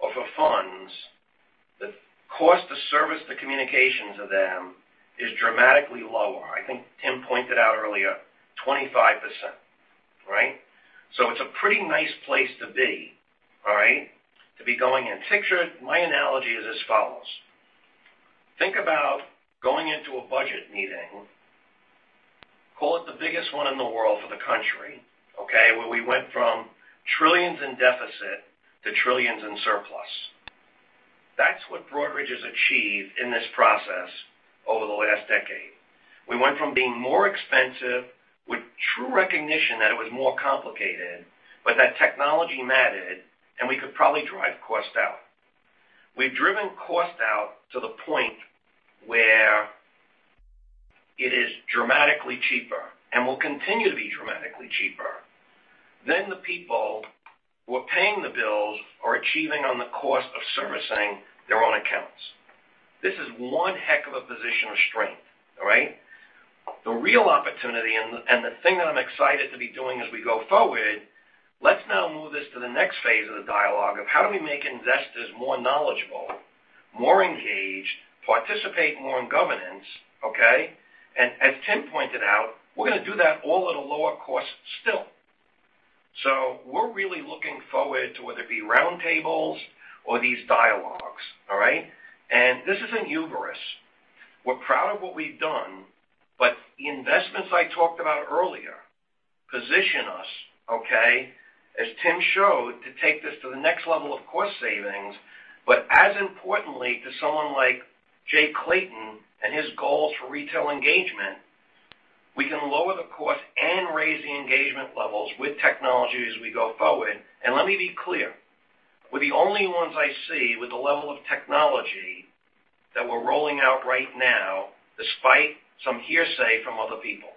or for funds, the cost to service the communications of them is dramatically lower. I think Tim pointed out earlier, 25%. It's a pretty nice place to be. To be going in. My analogy is as follows. Think about going into a budget meeting. Call it the biggest one in the world for the country, where we went from trillions in deficit to trillions in surplus. That's what Broadridge has achieved in this process over the last decade. We went from being more expensive with true recognition that it was more complicated, but that technology mattered, and we could probably drive cost out. We've driven cost out to the point where it is dramatically cheaper and will continue to be dramatically cheaper than the people who are paying the bills are achieving on the cost of servicing their own accounts. This is one heck of a position of strength. The real opportunity and the thing that I'm excited to be doing as we go forward, let's now move this to the next phase of the dialogue of how do we make investors more knowledgeable, more engaged, participate more in governance. As Tim pointed out, we're going to do that all at a lower cost still. We're really looking forward to whether it be round tables or these dialogues. This isn't hubris. We're proud of what we've done, but the investments I talked about earlier position us, as Tim showed, to take this to the next level of cost savings. As importantly, to someone like Jay Clayton and his goals for retail engagement, we can lower the cost and raise the engagement levels with technology as we go forward. Let me be clear. We're the only ones I see with the level of technology that we're rolling out right now, despite some hearsay from other people.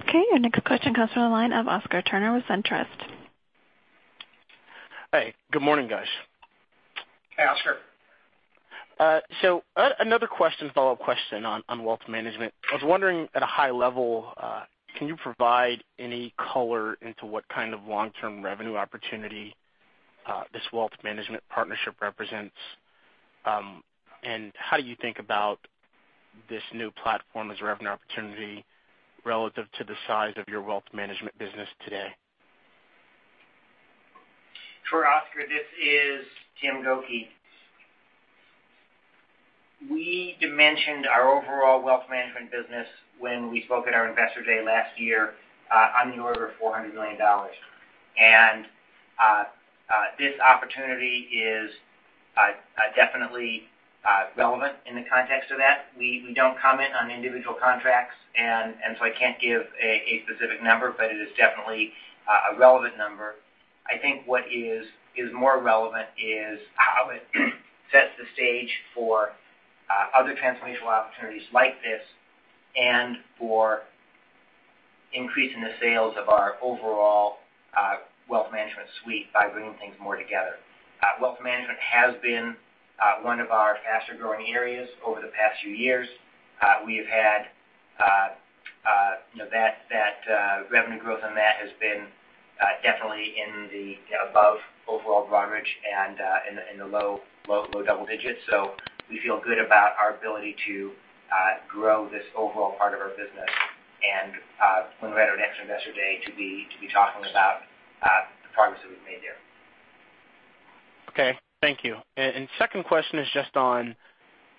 Okay, your next question comes from the line of Oscar Turner with SunTrust. Hey, good morning, guys. Hey, Oscar. Another question, follow-up question on wealth management. I was wondering, at a high level, can you provide any color into what kind of long-term revenue opportunity this wealth management partnership represents? How do you think about this new platform as a revenue opportunity relative to the size of your wealth management business today? Sure, Oscar, this is Tim Gokey. We dimensioned our overall wealth management business when we spoke at our Investor Day last year on the order of $400 million. This opportunity is definitely relevant in the context of that. We don't comment on individual contracts, and so I can't give a specific number, but it is definitely a relevant number. I think what is more relevant is how it sets the stage for other transformational opportunities like this and for increasing the sales of our overall wealth management suite by bringing things more together. Wealth management has been one of our faster-growing areas over the past few years. Revenue growth on that has been definitely above overall Broadridge and in the low double digits. We feel good about our ability to grow this overall part of our business and when we're at our next Investor Day to be talking about the progress that we've made there. Okay. Thank you. Second question is just on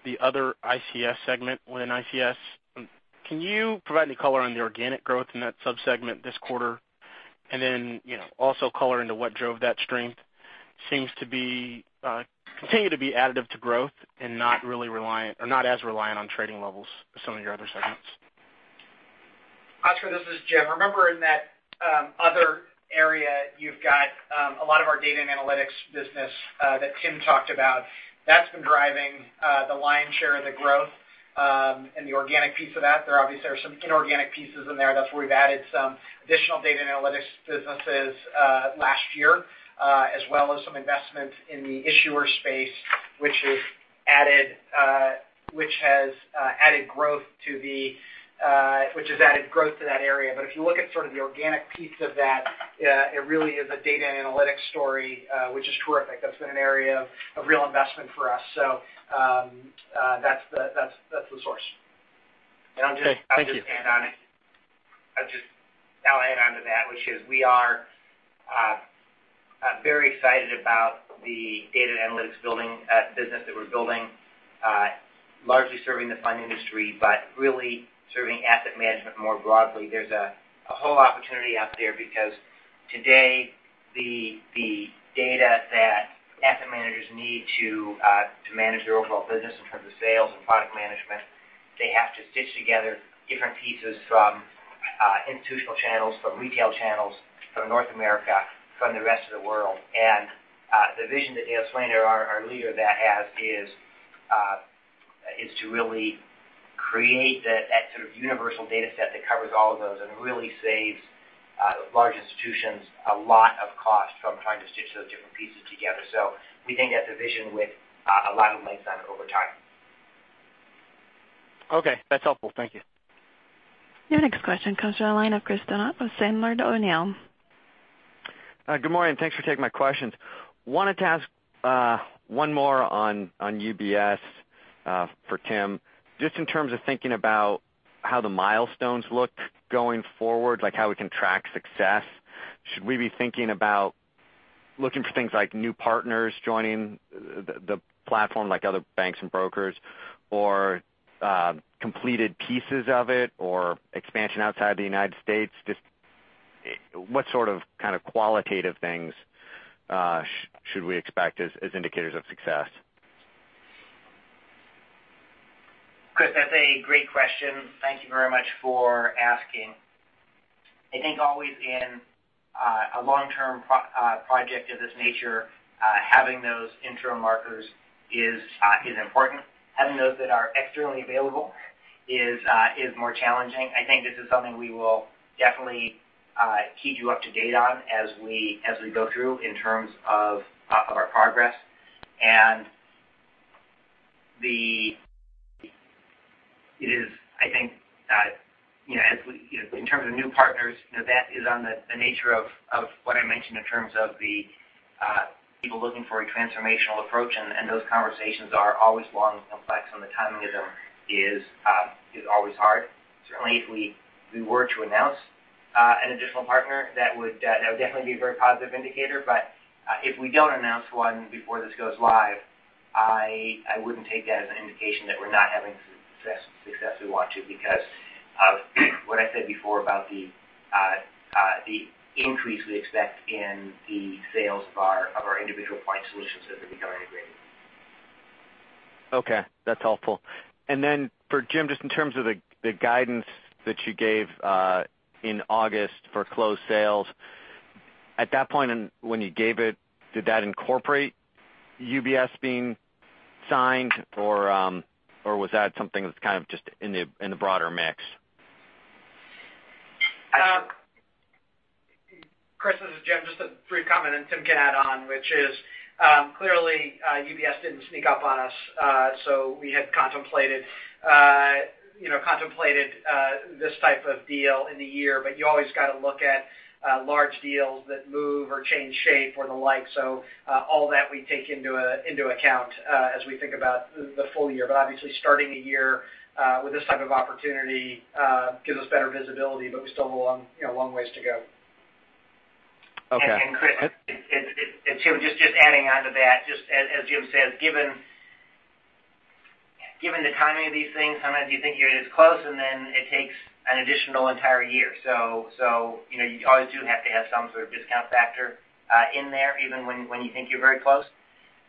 the other ICS segment within ICS. Can you provide any color on the organic growth in that sub-segment this quarter? Then, also color into what drove that strength. Seems to continue to be additive to growth and not as reliant on trading levels as some of your other segments. Oscar, this is Jim. Remember in that other area, you've got a lot of our data and analytics business that Tim talked about. That's been driving the lion's share of the growth and the organic piece of that. There obviously are some inorganic pieces in there. That's where we've added some additional data and analytics businesses last year as well as some investments in the issuer space, which has added growth to that area. If you look at sort of the organic piece of that, it really is a data and analytics story, which is terrific. That's been an area of real investment for us. That's the source. Okay. Thank you. I'll just add onto that, which is we are very excited about the data analytics business that we're building largely serving the fund industry, but really serving asset management more broadly. There's a whole opportunity out there because today the data managers need to manage their overall business in terms of sales and product management. They have to stitch together different pieces from institutional channels, from retail channels, from North America, from the rest of the world. The vision that Dan Slane, our leader there has, is to really create that sort of universal data set that covers all of those and really saves large institutions a lot of cost from trying to stitch those different pieces together. We think that's a vision with a lot of lifespan over time. Okay, that's helpful. Thank you. Your next question comes on the line of Chris Donat with Sandler O'Neill. Good morning. Thanks for taking my questions. Wanted to ask one more on UBS, for Tim. Just in terms of thinking about how the milestones look going forward, like how we can track success, should we be thinking about looking for things like new partners joining the platform, like other banks and brokers, or completed pieces of it, or expansion outside the United States? Just what sort of qualitative things should we expect as indicators of success? Chris, that's a great question. Thank you very much for asking. I think always in a long-term project of this nature, having those interim markers is important. Having those that are externally available is more challenging. I think this is something we will definitely keep you up to date on as we go through in terms of our progress. It is, I think, in terms of new partners, that is on the nature of what I mentioned in terms of the people looking for a transformational approach. Those conversations are always long and complex, and the timing of them is always hard. Certainly, if we were to announce an additional partner, that would definitely be a very positive indicator. If we don't announce one before this goes live, I wouldn't take that as an indication that we're not having success. We want to because of what I said before about the increase we expect in the sales of our individual client solutions as we become integrated. Okay, that's helpful. Then for Jim, just in terms of the guidance that you gave in August for closed sales. At that point in when you gave it, did that incorporate UBS being signed, or was that something that's kind of just in the broader mix? Chris, this is Jim. Just a brief comment, and Tim can add on, which is, clearly, UBS didn't sneak up on us, so we had contemplated this type of deal in the year. You always got to look at large deals that move or change shape or the like, so all that we take into account as we think about the full year. Obviously, starting a year with this type of opportunity gives us better visibility, but we still have a long ways to go. Okay. Chris, it's Tim. Just adding on to that, just as Jim said, given the timing of these things, sometimes you think you're as close, and then it takes an additional entire year. You always do have to have some sort of discount factor in there, even when you think you're very close.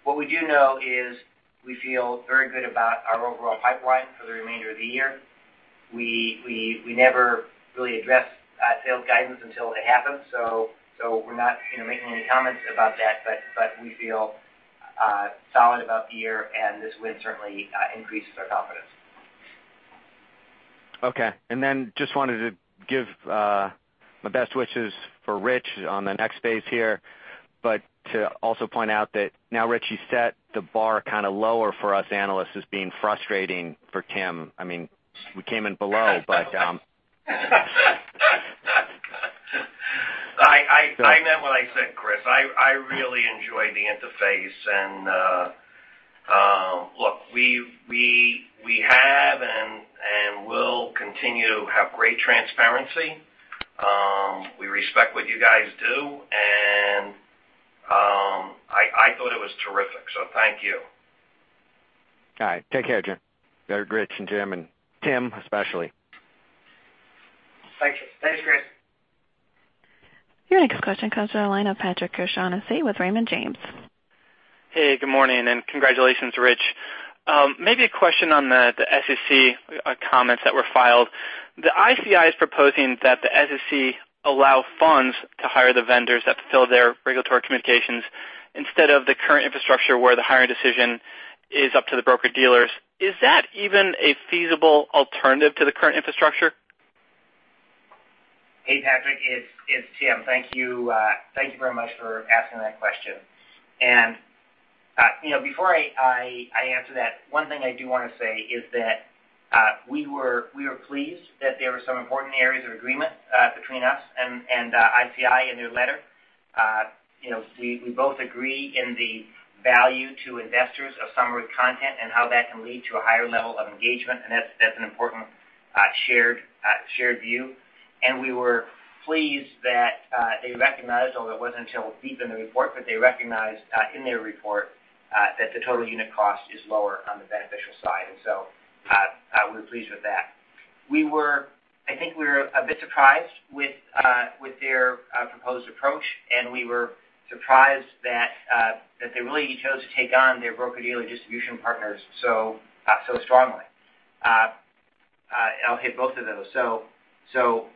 What we do know is we feel very good about our overall pipeline for the remainder of the year. We never really address sales guidance until it happens, so we're not making any comments about that, but we feel solid about the year, and this win certainly increases our confidence. Okay. Then just wanted to give my best wishes for Rich on the next phase here, but to also point out that now, Rich, you set the bar kind of lower for us analysts as being frustrating for Tim. We came in below. I meant what I said, Chris. I really enjoyed the interface. Look, we have and will continue to have great transparency. We respect what you guys do, and I thought it was terrific, so thank you. All right. Take care of Rich and Jim, and Tim, especially. Thank you. Thanks, Chris. Your next question comes to the line of Patrick O'Shaughnessy with Raymond James. Hey. Good morning, and congratulations, Rich. Maybe a question on the SEC comments that were filed. The ICI is proposing that the SEC allow funds to hire the vendors that fulfill their regulatory communications instead of the current infrastructure where the hiring decision is up to the broker-dealers. Is that even a feasible alternative to the current infrastructure? Hey, Patrick. It's Tim. Thank you very much for asking that question. Before I answer that, one thing I do want to say is that we were pleased that there were some important areas of agreement between us and ICI in their letter. We both agree in the value to investors of summary content and how that can lead to a higher level of engagement, and that's an important shared view. We were pleased that they recognized, although it wasn't until deep in the report, but they recognized in their report that the total unit cost is lower on the beneficial side. We're pleased with that. I think we were a bit surprised with their proposed approach, and we were surprised that they really chose to take on their broker-dealer distribution partners so strongly. I'll hit both of those.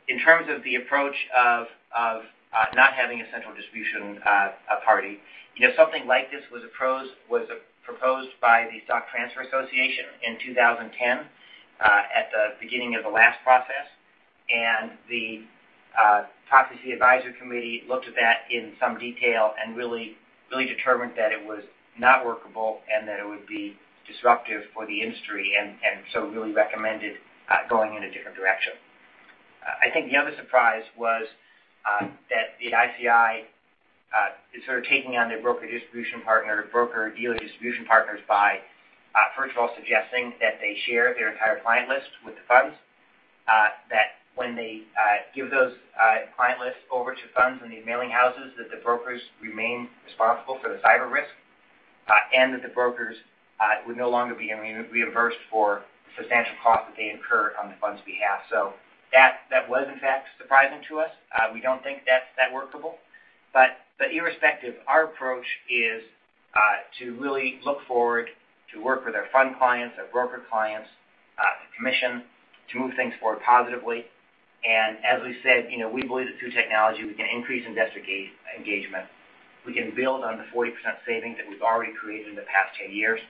In terms of the approach of not having a central distribution party, something like this was proposed by the Securities Transfer Association in 2010 at the beginning of the last process. The Proxy Advisory Committee looked at that in some detail and really determined that it was not workable and that it would be disruptive for the industry, and really recommended going in a different direction. I think the other surprise was that the ICI is sort of taking on their broker-dealer distribution partners by, first of all, suggesting that they share their entire client list with the funds, that when they give those client lists over to funds and the mailing houses, that the brokers remain responsible for the cyber risk, and that the brokers would no longer be reimbursed for the substantial cost that they incur on the fund's behalf. That was, in fact, surprising to us. We don't think that's that workable. Irrespective, our approach is to really look forward to work with our fund clients, our broker clients, the Commission, to move things forward positively. As we said, we believe that through technology, we can increase investor engagement. We can build on the 40% savings that we've already created in the past 10 years,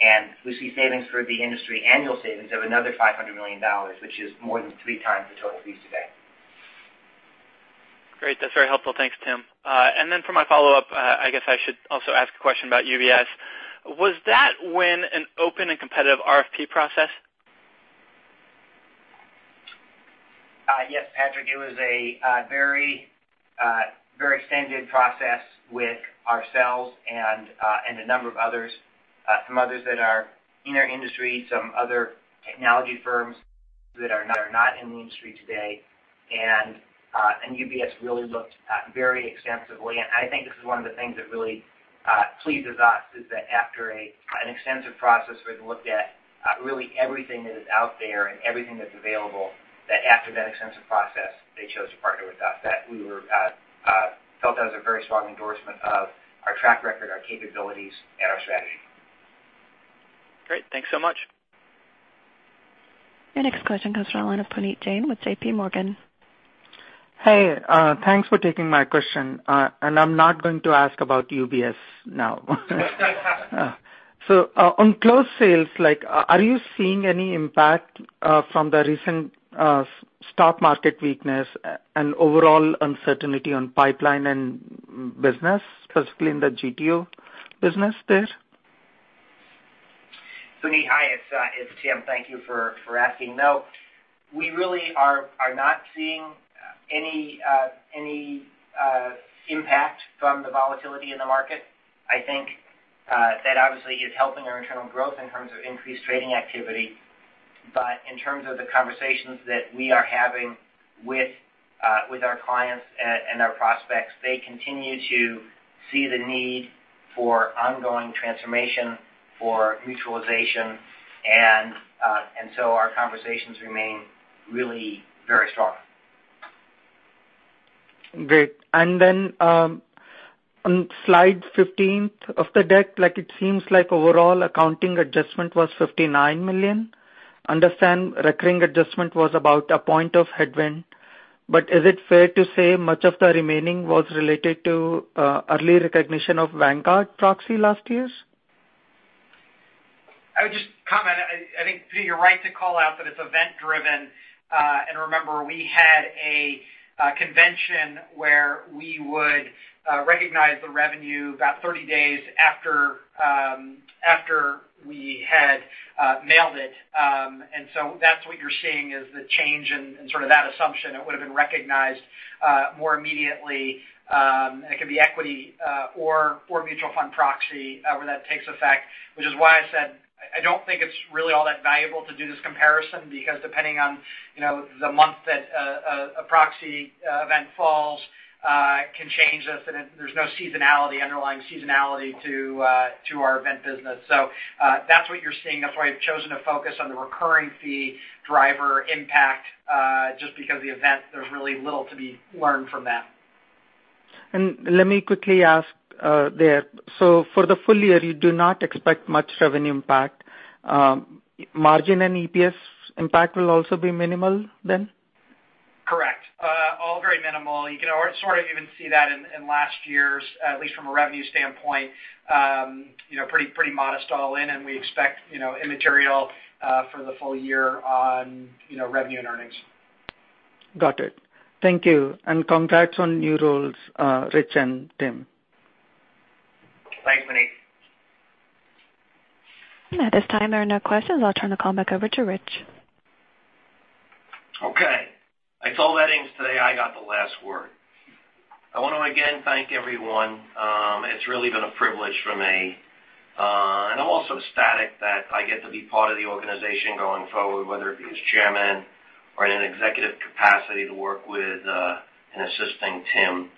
and we see savings for the industry, annual savings, of another $500 million, which is more than three times the total fees today. Great. That's very helpful. Thanks, Tim. For my follow-up, I guess I should also ask a question about UBS. Was that win an open and competitive RFP process? Yes, Patrick, it was a very extended process with ourselves and a number of others, some others that are in our industry, some other technology firms that are not in the industry today. UBS really looked very extensively, and I think this is one of the things that really pleases us, is that after an extensive process where they looked at really everything that is out there and everything that's available, that after that extensive process, they chose to partner with us. That felt as a very strong endorsement of our track record, our capabilities, and our strategy. Great. Thanks so much. Your next question comes from the line of Puneet Jain with JPMorgan. Hey, thanks for taking my question. I'm not going to ask about UBS now. On closed sales, are you seeing any impact from the recent stock market weakness and overall uncertainty on pipeline and business, specifically in the GTO business there? Puneet, hi, it's Tim. Thank you for asking. We really are not seeing any impact from the volatility in the market. I think that obviously is helping our internal growth in terms of increased trading activity. In terms of the conversations that we are having with our clients and our prospects, they continue to see the need for ongoing transformation, for mutualization, our conversations remain really very strong. Great. On slide 15 of the deck, it seems like overall accounting adjustment was $59 million. Understand recurring adjustment was about a point of headwind. Is it fair to say much of the remaining was related to early recognition of Vanguard proxy last year's? I would just comment, I think, Puneet, you're right to call out that it's event-driven. Remember, we had a convention where we would recognize the revenue about 30 days after we had mailed it. That's what you're seeing is the change in sort of that assumption. It would've been recognized more immediately. It could be equity or mutual fund proxy where that takes effect, which is why I said I don't think it's really all that valuable to do this comparison because depending on the month that a proxy event falls, it can change this, and there's no underlying seasonality to our event business. That's what you're seeing. That's why I've chosen to focus on the recurring fee driver impact, just because the events, there's really little to be learned from that. Let me quickly ask there. For the full year, you do not expect much revenue impact. Margin and EPS impact will also be minimal then? Correct. All very minimal. You can sort of even see that in last year's, at least from a revenue standpoint. Pretty modest all in, we expect immaterial for the full year on revenue and earnings. Got it. Thank you. Congrats on new roles, Rich and Tim Gokey. Thanks, Puneet. At this time, there are no questions. I'll turn the call back over to Rich. Okay. I told Edings today I got the last word. I want to again thank everyone. It's really been a privilege for me. I'm also ecstatic that I get to be part of the organization going forward, whether it be as chairman or in an executive capacity to work with in assisting Tim.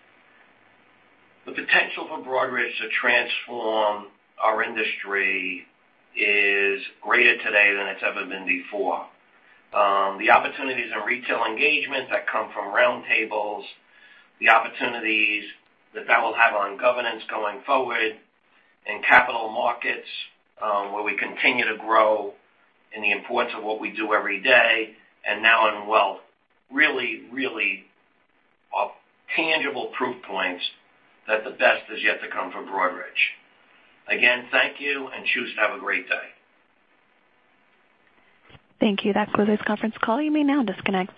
The potential for Broadridge to transform our industry is greater today than it's ever been before. The opportunities in retail engagement that come from round tables, the opportunities that will have on governance going forward, and capital markets, where we continue to grow, and the importance of what we do every day, and now in wealth. Really tangible proof points that the best is yet to come for Broadridge. Again, thank you. Choose to have a great day. Thank you. That concludes conference call. You may now disconnect.